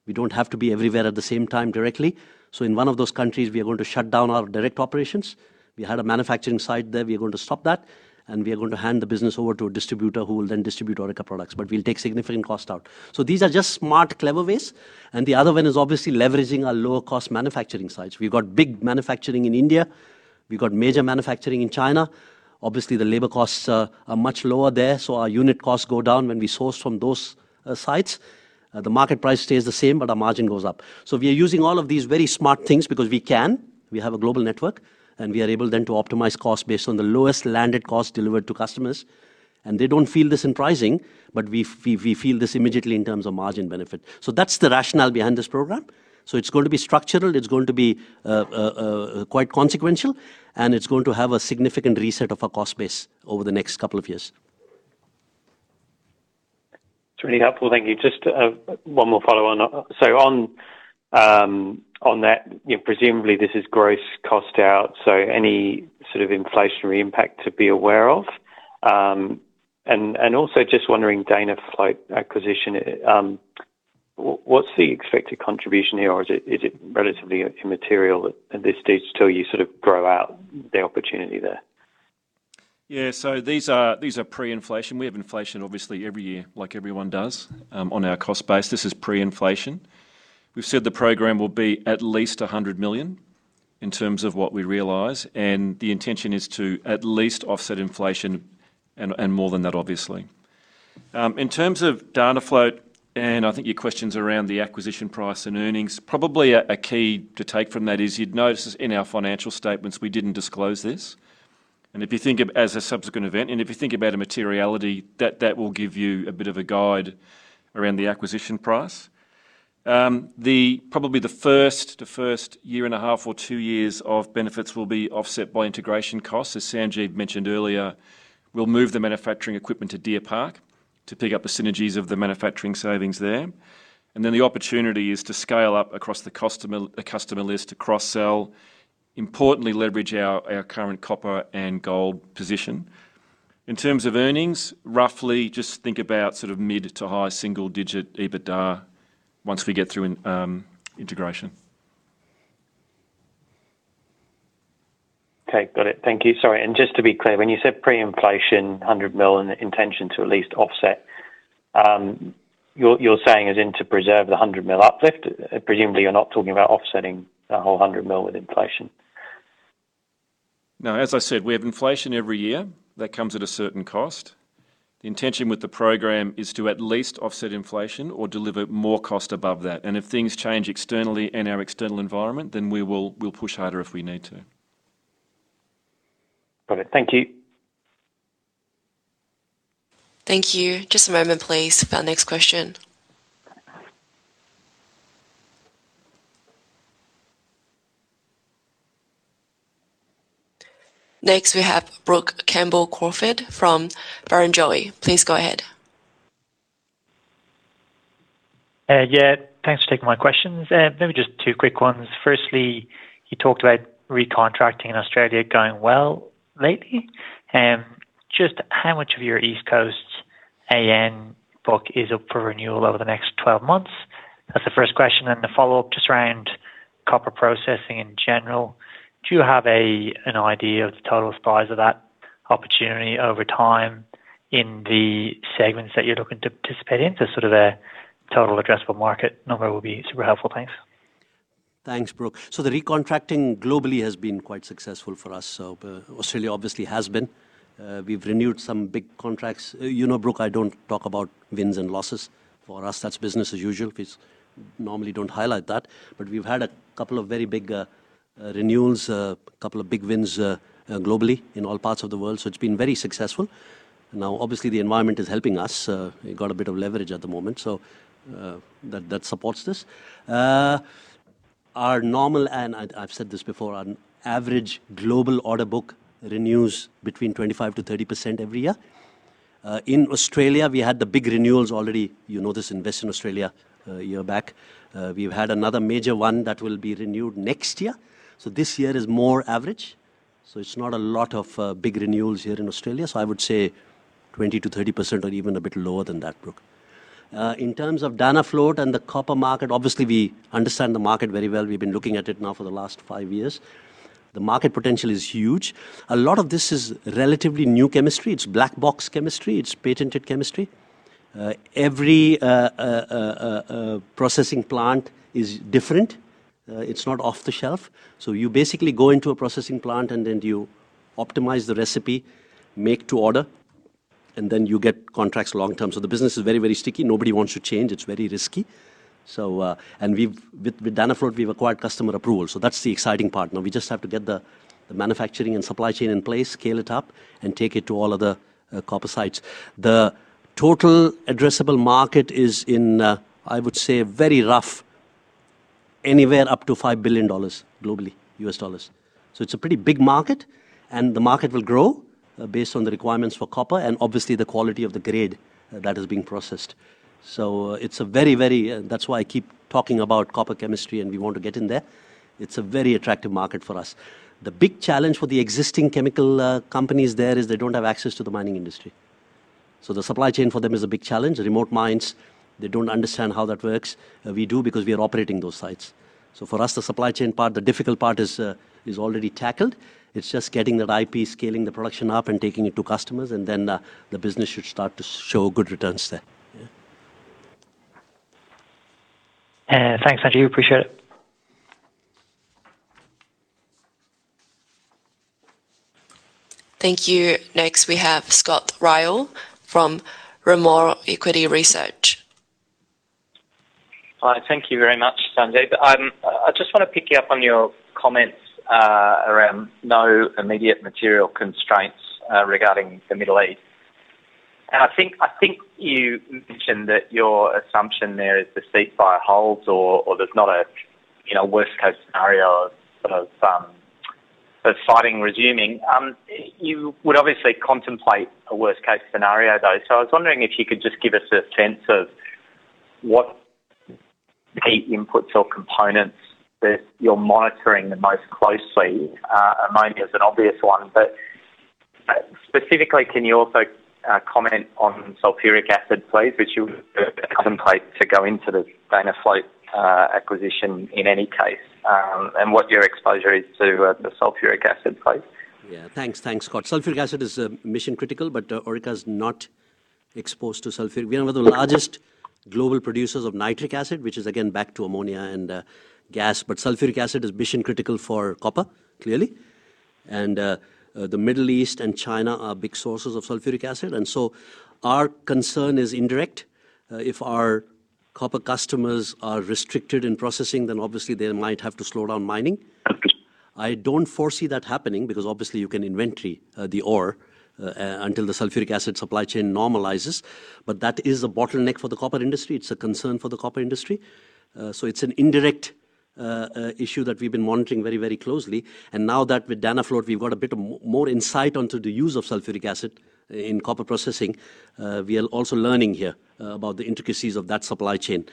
We don't have to be everywhere at the same time directly. In one of those countries, we are going to shut down our direct operations. We had a manufacturing site there, we are going to stop that, and we are going to hand the business over to a distributor who will then distribute Orica products, but we'll take significant cost out. These are just smart, clever ways. The other one is obviously leveraging our lower cost manufacturing sites. We've got big manufacturing in India. We've got major manufacturing in China. Obviously, the labor costs are much lower there, so our unit costs go down when we source from those sites. The market price stays the same, but our margin goes up. We are using all of these very smart things because we can. We have a global network, and we are able then to optimize costs based on the lowest landed cost delivered to customers. They don't feel this in pricing, but we feel this immediately in terms of margin benefit. That's the rationale behind this program. It's going to be structural, it's going to be quite consequential, and it's going to have a significant reset of our cost base over the next couple of years. It's really helpful. Thank you. Just one more follow on. On that, you know, presumably this is gross cost out, so any sort of inflationary impact to be aware of? And also just wondering Danafloat acquisition. What's the expected contribution here, or is it relatively immaterial at this stage till you sort of grow out the opportunity there? Yeah, these are pre-inflation. We have inflation obviously every year like everyone does on our cost base. This is pre-inflation. We've said the program will be at least 100 million in terms of what we realize, and the intention is to at least offset inflation and more than that, obviously. In terms of Danafloat, I think your question's around the acquisition price and earnings, probably a key to take from that is you'd notice in our financial statements, we didn't disclose this. If you think of as a subsequent event, and if you think about a materiality, that will give you a bit of a guide around the acquisition price. Probably the first year and a half or two years of benefits will be offset by integration costs. As Sanjeev mentioned earlier, we'll move the manufacturing equipment to Deer Park to pick up the synergies of the manufacturing savings there. The opportunity is to scale up across the customer list to cross-sell, importantly, leverage our current copper and gold position. In terms of earnings, roughly just think about sort of mid to high single digit EBITDA once we get through in integration. Okay. Got it. Thank you. Sorry. Just to be clear, when you said pre-inflation 100 million and the intention to at least offset, you're saying as in to preserve the 100 million uplift? Presumably, you're not talking about offsetting the whole 100 million with inflation. No. As I said, we have inflation every year that comes at a certain cost. The intention with the program is to at least offset inflation or deliver more cost above that. If things change externally in our external environment, then we'll push harder if we need to. Got it. Thank you. Thank you. Just a moment please for our next question. Next, we have Brook Campbell-Crawford from Barrenjoey. Please go ahead. Yeah, thanks for taking my questions. Maybe just two quick ones. Firstly, you talked about recontracting in Australia going well lately. Just how much of your East Coast AN book is up for renewal over the next 12 months? That's the first question. The follow-up just around copper processing in general. Do you have an idea of the total size of that opportunity over time in the segments that you're looking to participate in? Just sort of a total addressable market number will be super helpful. Thanks. Thanks, Brook. The recontracting globally has been quite successful for us. Australia obviously has been. We've renewed some big contracts. You know, Brook, I don't talk about wins and losses. For us, that's business as usual. We normally don't highlight that. We've had a couple of very big renewals, a couple of big wins globally in all parts of the world, so it's been very successful. Obviously, the environment is helping us. It got a bit of leverage at the moment, so that supports this. Our normal, and I've said this before, on average global order book renews between 25%-30% every year. In Australia, we had the big renewals already. You know, this Future Made in Australia year back. We've had another major one that will be renewed next year. This year is more average. It's not a lot of big renewals here in Australia. I would say 20%-30% or even a bit lower than that, Brook. In terms of Danafloat and the copper market, obviously, we understand the market very well. We've been looking at it now for the last five years. The market potential is huge. A lot of this is relatively new chemistry. It's black box chemistry. It's patented chemistry. Every processing plant is different. It's not off the shelf. You basically go into a processing plant, and then you optimize the recipe, make to order, and then you get contracts long term. The business is very, very sticky. Nobody wants to change. It's very risky. With Danafloat, we've acquired customer approval. That's the exciting part. Now we just have to get the manufacturing and supply chain in place, scale it up, and take it to all of the copper sites. The total addressable market is in, I would say very rough, anywhere up to $5 billion globally, U.S. dollars. It's a pretty big market, and the market will grow based on the requirements for copper and obviously the quality of the grade that is being processed. That's why I keep talking about copper chemistry, and we want to get in there. It's a very attractive market for us. The big challenge for the existing chemical companies there is they don't have access to the mining industry. The supply chain for them is a big challenge. Remote mines, they don't understand how that works. We do because we are operating those sites. For us, the supply chain part, the difficult part is already tackled. It's just getting that IP, scaling the production up and taking it to customers, the business should start to show good returns there. Yeah. Thanks, Sanjeev. Appreciate it. Thank you. Next, we have Scott Ryall from Rimor Equity Research. Hi. Thank you very much, Sanjeev. I just wanna pick you up on your comments around no immediate material constraints regarding the Middle East. I think, I think you mentioned that your assumption there is the ceasefire holds or there's not a, you know, worst-case scenario of, sort of, fighting resuming. You would obviously contemplate a worst-case scenario, though. I was wondering if you could just give us a sense of what key inputs or components that you're monitoring the most closely. Ammonia is an obvious one, but specifically, can you also comment on sulfuric acid please, which you would contemplate to go into the Danafloat acquisition in any case, and what your exposure is to the sulfuric acid please? Yeah. Thanks. Thanks, Scott. Sulfuric acid is mission-critical. Orica is not exposed to sulfuric. We are one of the largest global producers of nitric acid, which is again back to ammonia and gas. Sulfuric acid is mission critical for copper, clearly. The Middle East and China are big sources of sulfuric acid. Our concern is indirect. If our copper customers are restricted in processing, obviously they might have to slow down mining. Okay. I don't foresee that happening because obviously you can inventory the ore until the sulfuric acid supply chain normalizes, but that is a bottleneck for the copper industry. It's a concern for the copper industry. It's an indirect issue that we've been monitoring very, very closely. Now that with Danafloat, we've got a bit of more insight onto the use of sulfuric acid in copper processing. We are also learning here about the intricacies of that supply chain.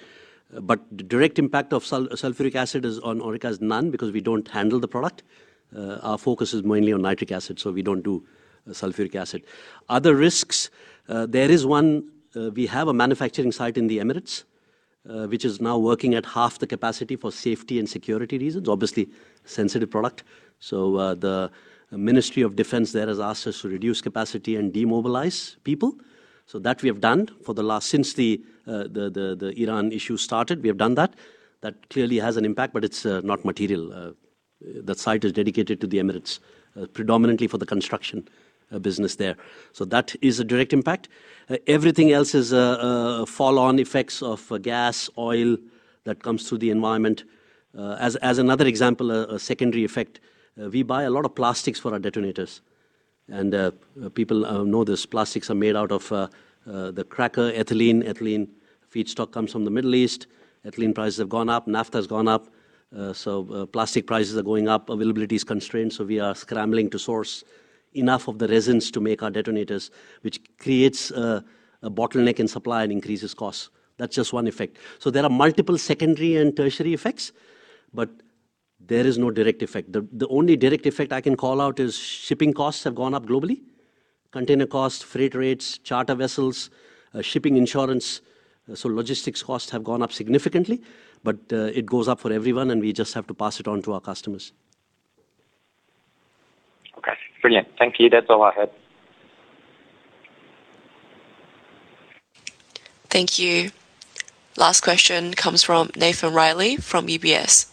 The direct impact of sulfuric acid is on Orica is none because we don't handle the product. Our focus is mainly on nitric acid, we don't do sulfuric acid. Other risks, there is one. We have a manufacturing site in the Emirates, which is now working at half the capacity for safety and security reasons. Obviously, sensitive product. The Ministry of Defense there has asked us to reduce capacity and demobilize people. That we have done since the Iran issue started, we have done that. That clearly has an impact, but it's not material. That site is dedicated to the Emirates, predominantly for the construction business there. That is a direct impact. Everything else is fall on effects of gas, oil that comes through the environment. As another example, a secondary effect, we buy a lot of plastics for our detonators and people know this, plastics are made out of the cracker ethylene. Ethylene feedstock comes from the Middle East. Ethylene prices have gone up, naphtha has gone up, so plastic prices are going up. Availability is constrained, so we are scrambling to source enough of the resins to make our detonators, which creates a bottleneck in supply and increases costs. That's just one effect. There are multiple secondary and tertiary effects, but there is no direct effect. The only direct effect I can call out is shipping costs have gone up globally. Container costs, freight rates, charter vessels, shipping insurance. Logistics costs have gone up significantly, but it goes up for everyone, and we just have to pass it on to our customers. Okay. Brilliant. Thank you. That is all I had. Thank you. Last question comes from Nathan Reilly from UBS.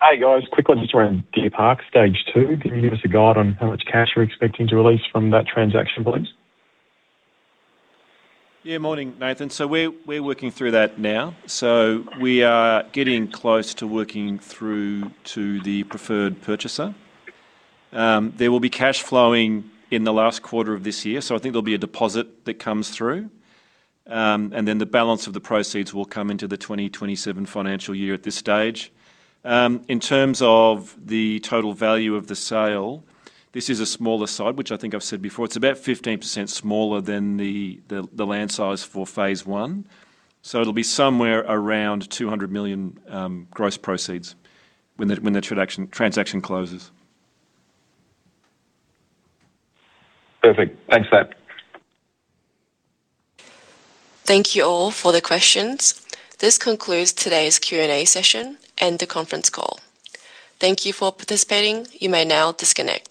Hey, guys. Quick one just around Deer Park stage two. Can you give us a guide on how much cash you're expecting to release from that transaction, please? Yeah, morning, Nathan. We're working through that now. We are getting close to working through to the preferred purchaser. There will be cash flowing in the last quarter of this year, so I think there'll be a deposit that comes through. The balance of the proceeds will come into the 2027 financial year at this stage. In terms of the total value of the sale, this is a smaller side, which I think I've said before. It's about 15% smaller than the land size for phase one. It'll be somewhere around 200 million gross proceeds when the transaction closes. Perfect. Thanks for that. Thank you all for the questions. This concludes today's Q&A session and the conference call. Thank you for participating. You may now disconnect.